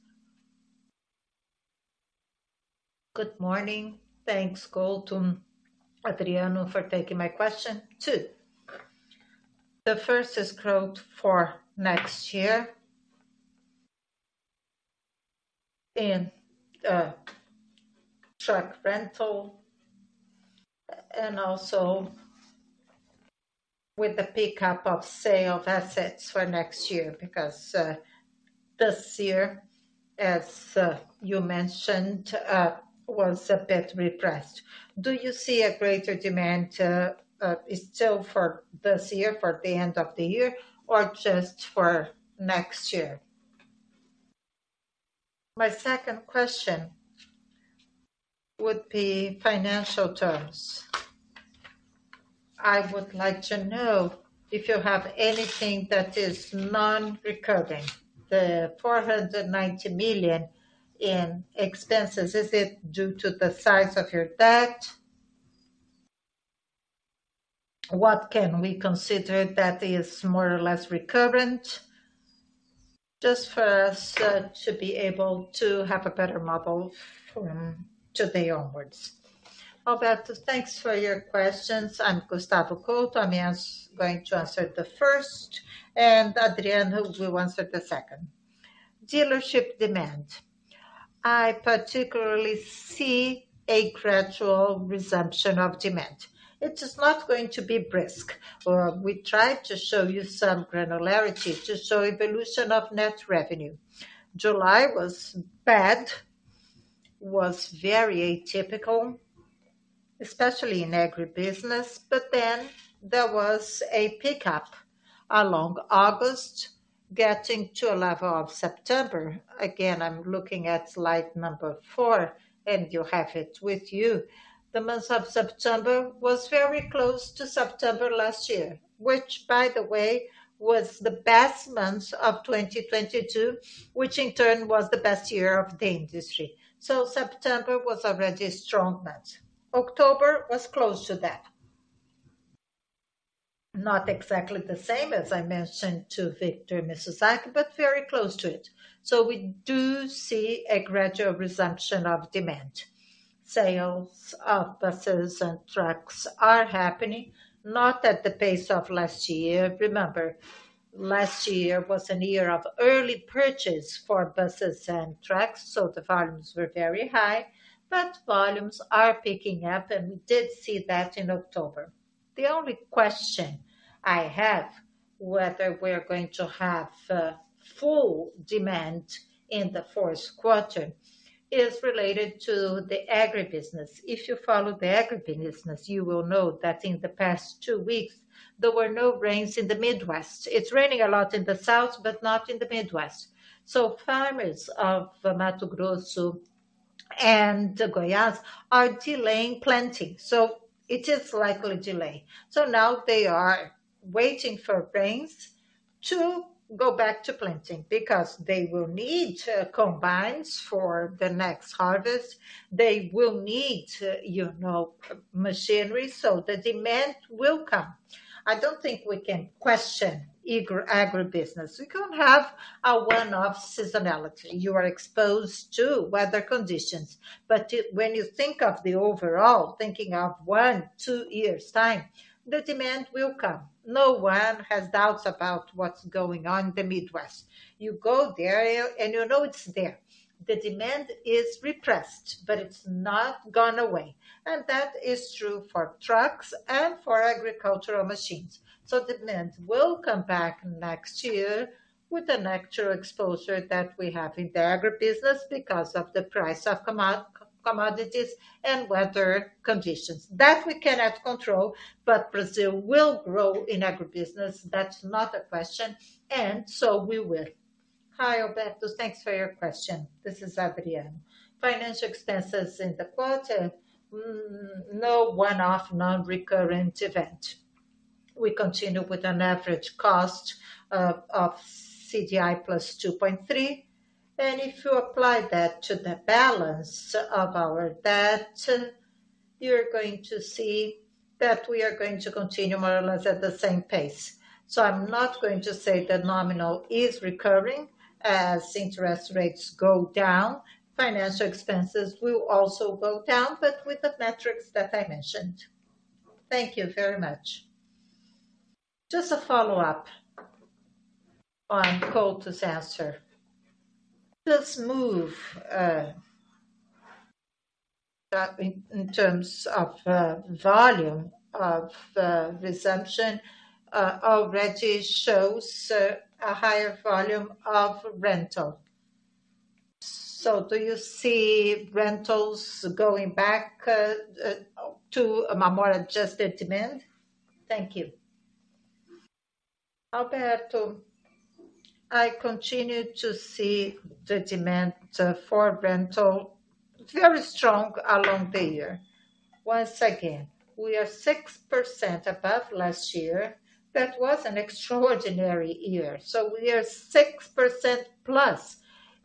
Good morning. Thanks, Couto, Adriano, for taking my question, too. The first is growth for next year in truck rental and also with the pickup of sale of assets for next year, because this year, as you mentioned, was a bit repressed. Do you see a greater demand still for this year, for the end of the year, or just for next year? My second question would be financial terms. I would like to know if you have anything that is non-recurring, the 490 million in expenses, is it due to the size of your debt? What can we consider that is more or less recurrent, just for us, to be able to have a better model from today onwards. Alberto, thanks for your questions. I'm Gustavo Couto. I'm going to answer the first, and Adriano will answer the second. Dealership demand. I particularly see a gradual resumption of demand. It is not going to be brisk, or we tried to show you some granularity to show evolution of net revenue. July was bad, was very atypical, especially in agribusiness, but then there was a pickup along August, getting to a level of September. Again, I'm looking at slide number four, and you have it with you. The month of September was very close to September last year, which, by the way, was the best month of 2022, which in turn was the best year of the industry. So September was already a strong month. October was close to that. Not exactly the same, as I mentioned to Victor Mizusaki, but very close to it. So we do see a gradual resumption of demand. Sales of buses and trucks are happening, not at the pace of last year. Remember, last year was a year of early purchase for buses and trucks, so the volumes were very high, but volumes are picking up, and we did see that in October. The only question I have, whether we're going to have full demand in the Q4, is related to the agribusiness. If you follow the agribusiness, you will know that in the past two weeks, there were no rains in the Midwest. It's raining a lot in the South, but not in the Midwest. So farmers of Mato Grosso and Goiás are delaying planting, so it is likely delay. So now they are waiting for rains to go back to planting because they will need combines for the next harvest. They will need, you know, machinery, so the demand will come. I don't think we can question agribusiness. We can have a one-off seasonality. You are exposed to weather conditions, but when you think of the overall, thinking of one, two years' time, the demand will come. No one has doubts about what's going on in the Midwest. You go there and you know it's there. The demand is repressed, but it's not gone away, and that is true for trucks and for agricultural machines. So demand will come back next year with the natural exposure that we have in the agribusiness because of the price of commodities and weather conditions. That we cannot control, but Brazil will grow in agribusiness, that's not a question, and so we will. Hi, Alberto. Thanks for your question. This is Adriano. Financial expenses in the quarter, no one-off, non-recurrent event. We continue with an average cost of CDI plus 2.3, and if you apply that to the balance of our debt, you're going to see that we are going to continue more or less at the same pace. So I'm not going to say that nominal is recurring. As interest rates go down, financial expenses will also go down, but with the metrics that I mentioned. Thank you very much. Just a follow-up on Couto's answer. Let's move in terms of volume of resumption already shows a higher volume of rental. So do you see rentals going back to a more adjusted demand? Thank you. Alberto, I continue to see the demand for rental very strong along the year. Once again, we are 6% above last year. That was an extraordinary year, so we are 6% plus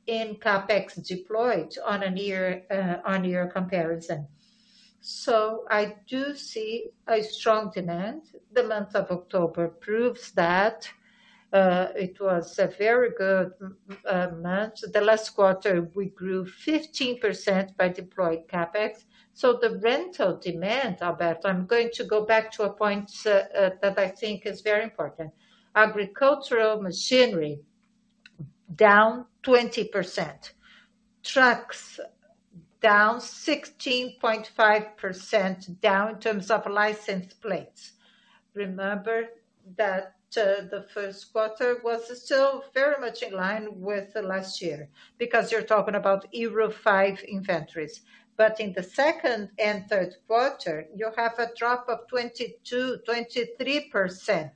in CapEx deployed on a year-on-year comparison. So I do see a strong demand. The month of October proves that, it was a very good month. The last quarter, we grew 15% by deployed CapEx. So the rental demand, Alberto, I'm going to go back to a point that I think is very important. Agricultural machinery, down 20%. Trucks, down 16.5%, down in terms of licensed plates. Remember that the Q1 was still very much in line with the last year, because you're talking about Euro V inventories. But in the second and Q3, you have a drop of 22%-23%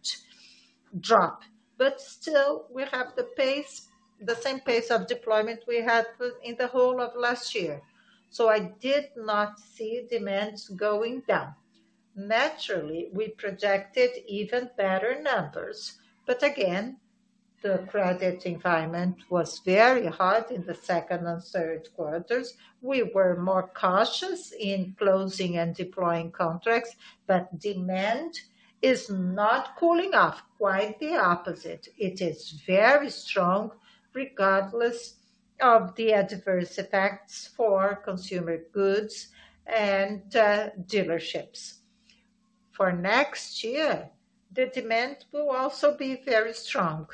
drop, but still, we have the pace, the same pace of deployment we had with in the whole of last year. So I did not see demand going down. Naturally, we projected even better numbers, but again, the credit environment was very hard in the second and Q3s. We were more cautious in closing and deploying contracts, but demand is not cooling off. Quite the opposite. It is very strong, regardless of the adverse effects for consumer goods and, dealerships. For next year, the demand will also be very strong.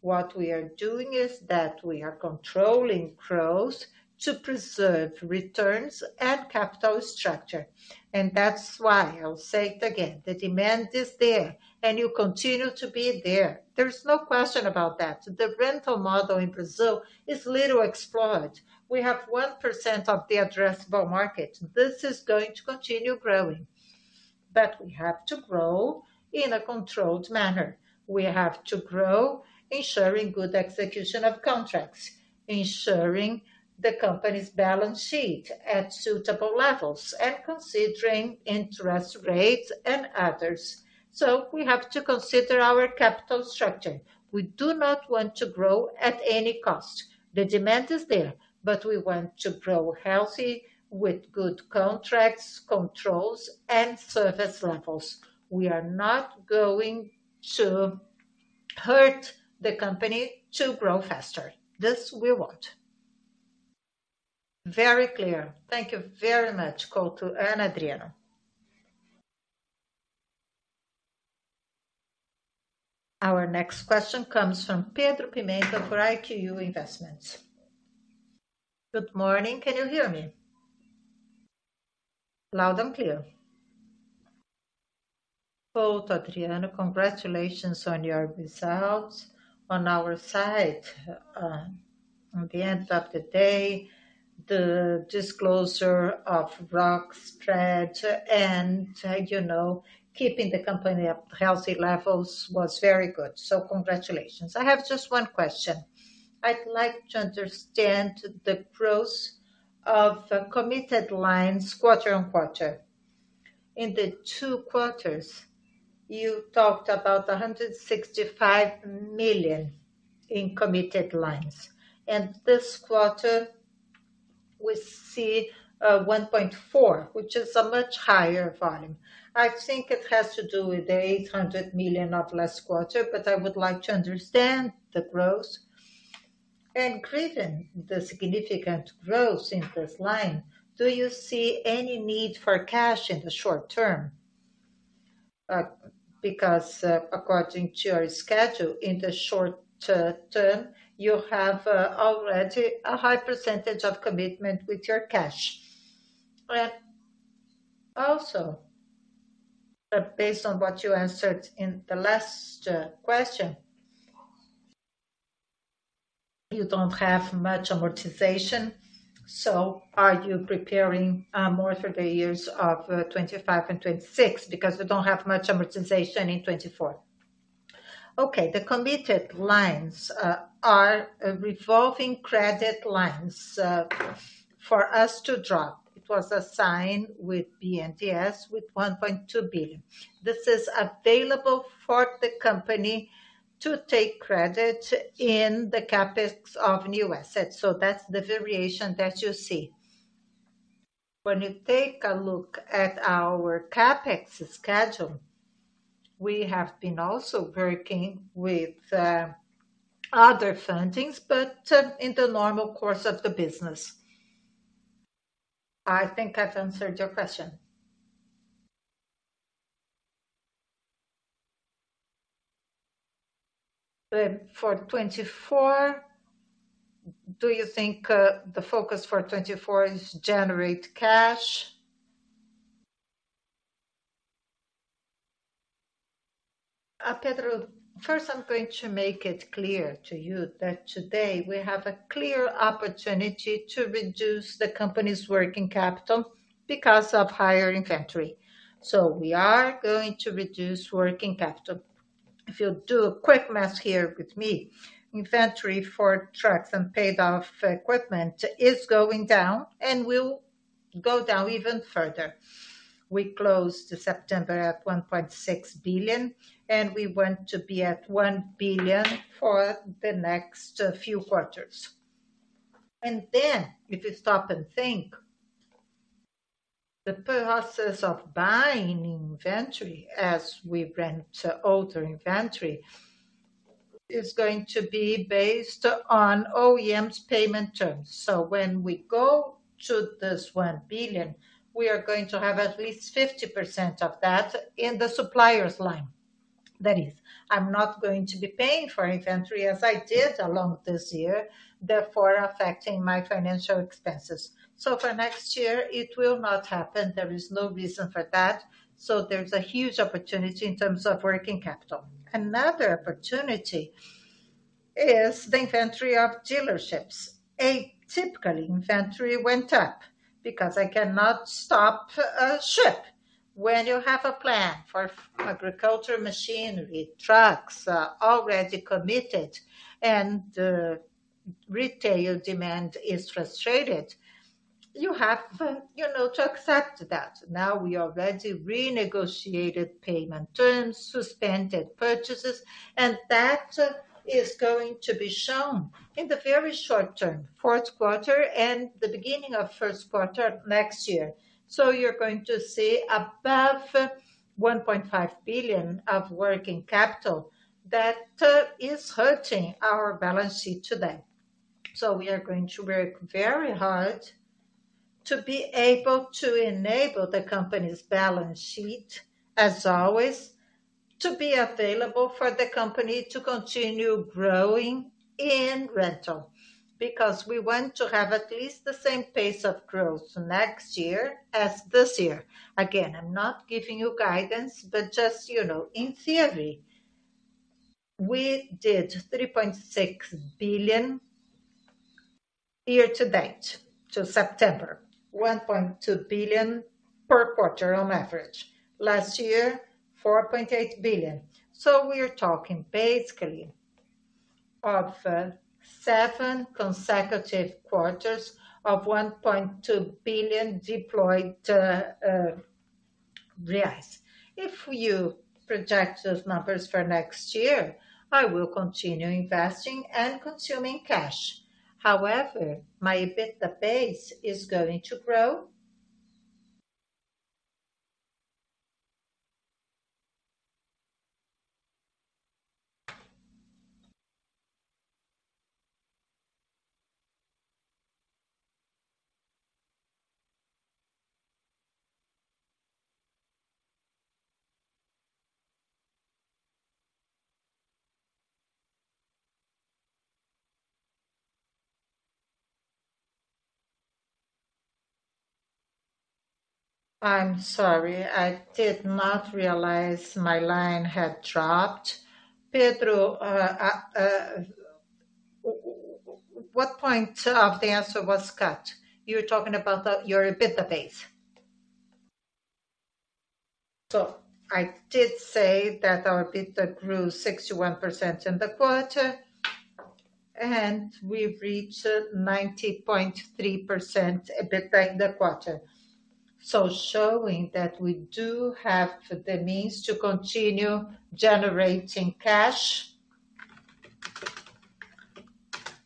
What we are doing is that we are controlling growth to preserve returns and capital structure. And that's why I will say it again, the demand is there, and you continue to be there. There's no question about that. The rental model in Brazil is little explored. We have 1% of the addressable market. This is going to continue growing but we have to grow in a controlled manner. We have to grow ensuring good execution of contracts, ensuring the company's balance sheet at suitable levels, and considering interest rates and others. So we have to consider our capital structure. We do not want to grow at any cost. The demand is there, but we want to grow healthy with good contracts, controls, and service levels. We are not going to hurt the company to grow faster. This we want. Very clear. Thank you very much. Call to Adriano. Our next question comes from Pedro Pimenta for EQI Investments. Good morning. Can you hear me? Loud and clear. Couto, Adriana, congratulations on your results. On our side, on the end of the day, the disclosure of ROIC spread and, you know, keeping the company at healthy levels was very good. So congratulations. I have just one question. I'd like to understand the growth of committed lines quarter-over-quarter. In the two quarters, you talked about 165 million in committed lines, and this quarter we see 1.4 billion, which is a much higher volume. I think it has to do with the 800 million of last quarter, but I would like to understand the growth. And given the significant growth in this line, do you see any need for cash in the short term? Because, according to your schedule, in the short term, you have already a high percentage of commitment with your cash. Also, based on what you answered in the last question, you don't have much amortization, so are you preparing more for the years of 2025 and 2026? Because we don't have much amortization in 2024. Okay, the committed lines are revolving credit lines for us to draw. It was assigned with BNDES with 1.2 billion. This is available for the company to take credit in the CapEx of new assets, so that's the variation that you see. When you take a look at our CapEx schedule, we have been also working with other fundings, but in the normal course of the business. I think I've answered your question. For 2024, do you think the focus for 2024 is to generate cash? Pedro, first, I'm going to make it clear to you that today we have a clear opportunity to reduce the company's working capital because of higher inventory. So we are going to reduce working capital. If you'll do a quick math here with me, inventory for trucks and paid off equipment is going down and will go down even further. We closed September at 1.6 billion, and we want to be at 1 billion for the next few quarters. And then, if you stop and think, the process of buying inventory as we rent older inventory is going to be based on OEM's payment terms. So when we go to this 1 billion, we are going to have at least 50% of that in the suppliers line. That is, I'm not going to be paying for inventory as I did along this year, therefore, affecting my financial expenses. So for next year, it will not happen. There is no reason for that. So there's a huge opportunity in terms of working capital. Another opportunity is the inventory of dealerships. A typical inventory went up because I cannot stop a ship. When you have a plan for agriculture machinery, trucks, already committed and the retail demand is frustrated, you have, you know, to accept that. Now, we already renegotiated payment terms, suspended purchases, and that is going to be shown in the very short term, Q4 and the beginning of Q1 next year. So you're going to see above 1.5 billion of working capital that is hurting our balance sheet today. So we are going to work very hard to be able to enable the company's balance sheet, as always, to be available for the company to continue growing in rental, because we want to have at least the same pace of growth next year as this year. Again, I'm not giving you guidance, but just, you know, in theory, we did 3.6 billion. Year to date, to September, 1.2 billion per quarter on average. Last year, 4.8 billion. So we are talking basically of seven consecutive quarters of 1.2 billion deployed reais. If you project those numbers for next year, I will continue investing and consuming cash. However, my EBITDA base is going to grow. I'm sorry, I did not realize my line had dropped. Pedro, what point of the answer was cut? You were talking about the your EBITDA base. So I did say that our EBITDA grew 61% in the quarter, and we've reached 90.3% EBITDA in the quarter. So showing that we do have the means to continue generating cash,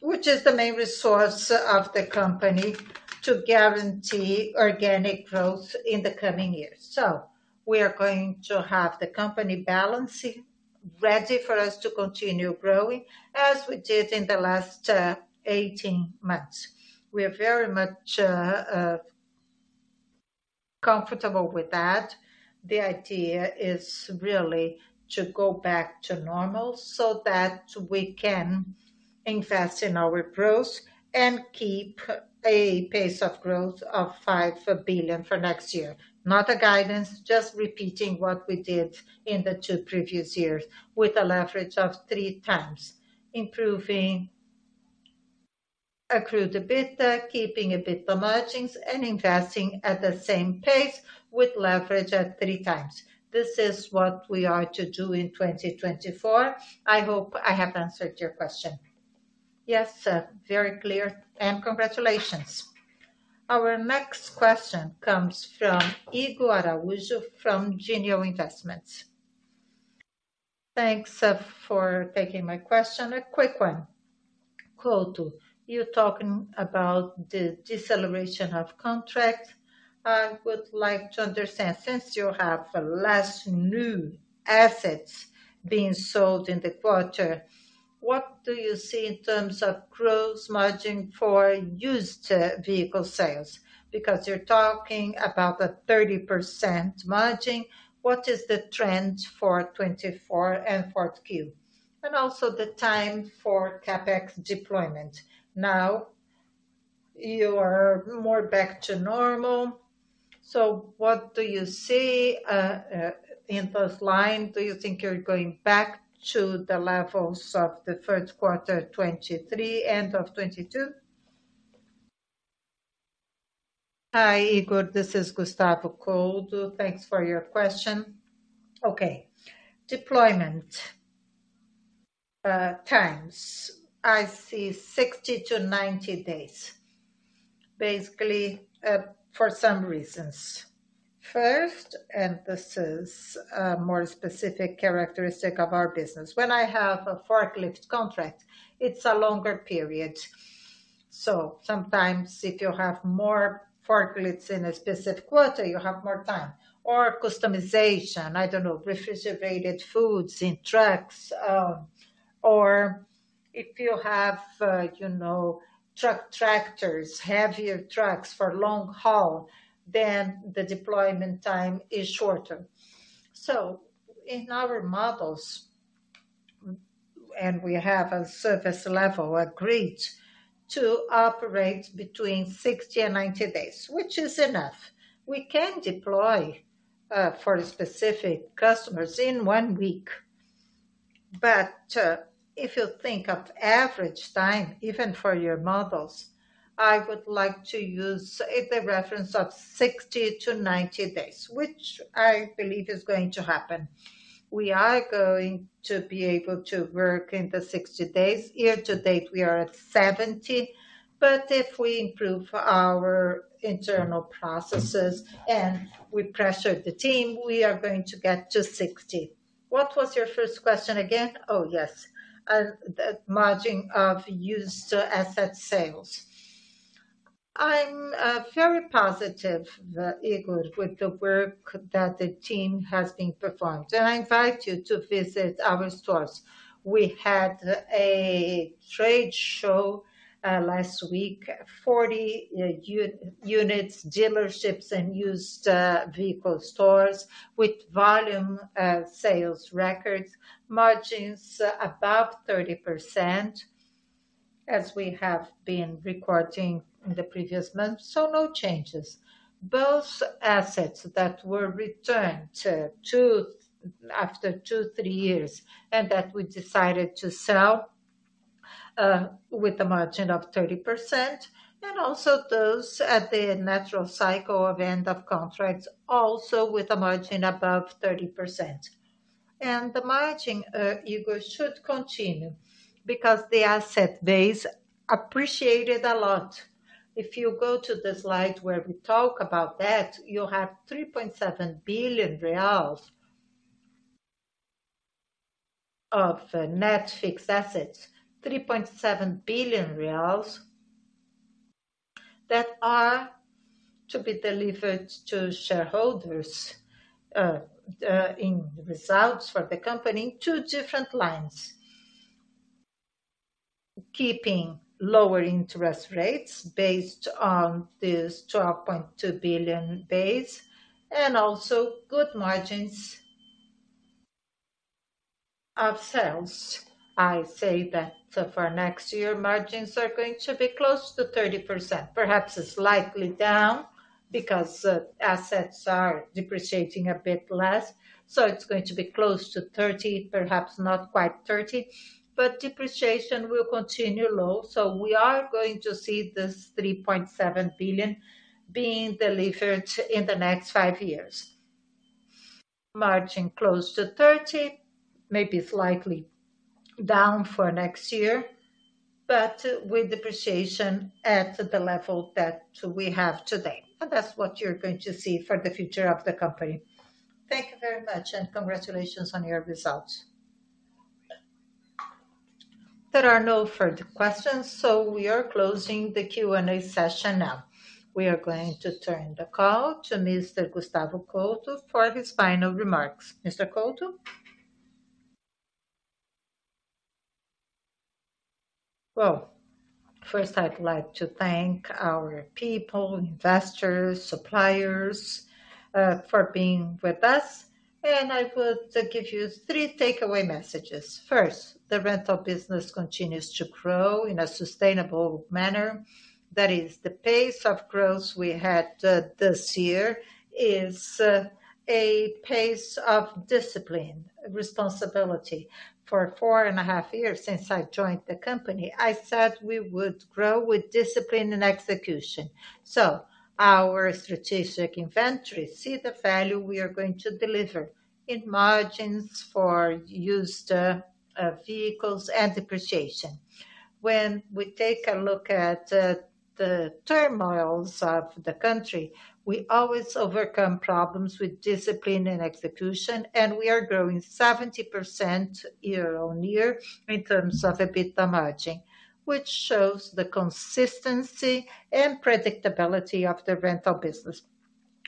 which is the main resource of the company to guarantee organic growth in the coming years. So we are going to have the company balancing, ready for us to continue growing, as we did in the last 18 months. We are very much comfortable with that. The idea is really to go back to normal so that we can invest in our growth and keep a pace of growth of 5 billion for next year. Not a guidance, just repeating what we did in the two previous years, with a leverage of 3x, improving accrued EBITDA, keeping EBITDA margins, and investing at the same pace with leverage at 3x. This is what we are to do in 2024. I hope I have answered your question. Yes, very clear, and congratulations. Our next question comes from Igor Araujo from Genial Investments. Thanks for taking my question. A quick one. Couto, you're talking about the deceleration of contract. I would like to understand, since you have less new assets being sold in the quarter, what do you see in terms of gross margin for used vehicle sales? Because you're talking about a 30% margin, what is the trend for 2024 and Q4? And also the time for CapEx deployment. Now, you are more back to normal, so what do you see in those line? Do you think you're going back to the levels of the Q1 2023, end of 2022? Hi, Igor, this is Gustavo Couto. Thanks for your question. Okay, deployment times, I see 60-90 days. Basically, for some reasons. First, and this is a more specific characteristic of our business. When I have a forklift contract, it's a longer period. So sometimes if you have more forklifts in a specific quarter, you have more time or customization, I don't know, refrigerated foods in trucks, or if you have, you know, truck tractors, heavier trucks for long haul, then the deployment time is shorter. So in our models, and we have a service level agreed to operate between 60 and 90 days, which is enough. We can deploy for specific customers in one week. But if you think of average time, even for your models, I would like to use the reference of 60 to 90 days, which I believe is going to happen. We are going to be able to work in the 60 days. Year to date, we are at 70, but if we improve our internal processes and we pressure the team, we are going to get to 60. What was your first question again? Oh, yes, the margin of used asset sales. I'm very positive, Igor, with the work that the team has been performed, and I invite you to visit our stores. We had a trade show last week, 40 units, dealerships, and used vehicle stores with volume sales records, margins above 30%, as we have been recording in the previous months, so no changes. Those assets that were returned to, after two, three years, and that we decided to sell with a margin of 30%, and also those at the natural cycle of end of contracts, also with a margin above 30%. And the margin, Igor, should continue because the asset base appreciated a lot. If you go to the slide where we talk about that, you have 3.7 billion reais of net fixed assets. 3.7 billion reais that are to be delivered to shareholders in results for the company in two different lines. Keeping lower interest rates based on this 12.2 billion base, and also good margins of sales. I say that for next year, margins are going to be close to 30%. Perhaps slightly down, because assets are depreciating a bit less, so it's going to be close to 30, perhaps not quite 30, but depreciation will continue low, so we are going to see this 3.7 billion being delivered in the next five years. Margin close to 30, maybe slightly down for next year, but with depreciation at the level that we have today. That's what you're going to see for the future of the company. Thank you very much, and congratulations on your results. There are no further questions, so we are closing the Q&A session now. We are going to turn the call to Mr. Gustavo Couto for his final remarks. Mr. Couto? Well, first, I'd like to thank our people, investors, suppliers, for being with us, and I would give you 3 takeaway messages. First, the rental business continues to grow in a sustainable manner. That is, the pace of growth we had, this year is, a pace of discipline, responsibility. For 4.5 years since I joined the company, I said we would grow with discipline and execution. So our strategic inventory see the value we are going to deliver in margins for used, vehicles and depreciation. When we take a look at the turmoils of the country, we always overcome problems with discipline and execution, and we are growing 70% year-on-year in terms of EBITDA margin, which shows the consistency and predictability of the rental business.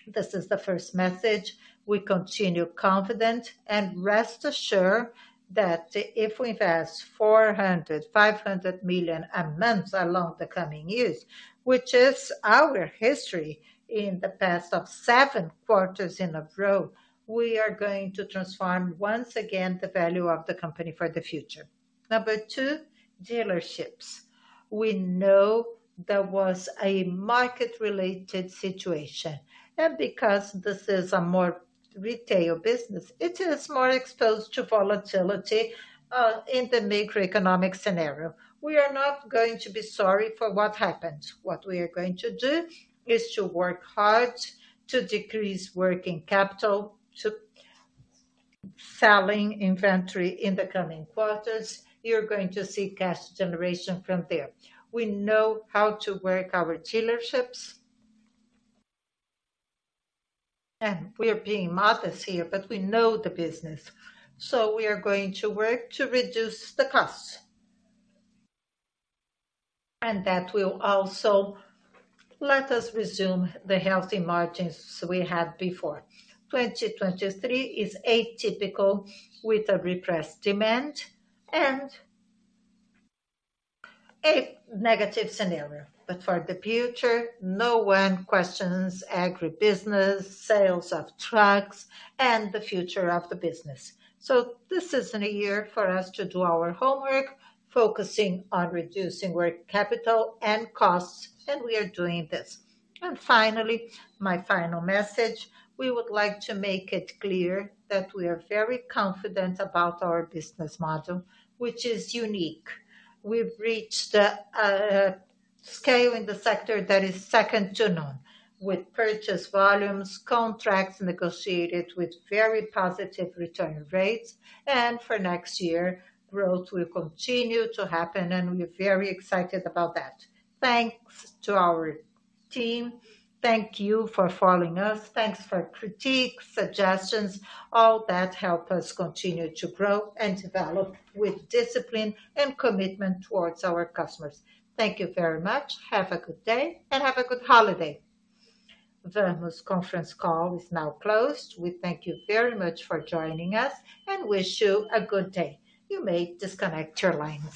This is the first message. We continue confident, and rest assured that if we invest 400 million-500 million a month along the coming years, which is our history in the past of seven quarters in a row, we are going to transform once again the value of the company for the future. Number two, dealerships. We know there was a market-related situation, and because this is a more retail business, it is more exposed to volatility in the macroeconomic scenario. We are not going to be sorry for what happened. What we are going to do is to work hard to decrease working capital, to selling inventory in the coming quarters. You're going to see cash generation from there. We know how to work our dealerships, and we are being modest here, but we know the business. So we are going to work to reduce the costs. And that will also let us resume the healthy margins we had before. 2023 is atypical with a repressed demand and a negative scenario. But for the future, no one questions agribusiness, sales of trucks, and the future of the business. So this is a year for us to do our homework, focusing on reducing working capital and costs, and we are doing this. And finally, my final message, we would like to make it clear that we are very confident about our business model, which is unique. We've reached a scale in the sector that is second to none, with purchase volumes, contracts negotiated with very positive return rates, and for next year, growth will continue to happen, and we're very excited about that. Thanks to our team. Thank you for following us. Thanks for critiques, suggestions, all that help us continue to grow and develop with discipline and commitment towards our customers. Thank you very much. Have a good day, and have a good holiday. Vamos conference call is now closed. We thank you very much for joining us and wish you a good day. You may disconnect your lines.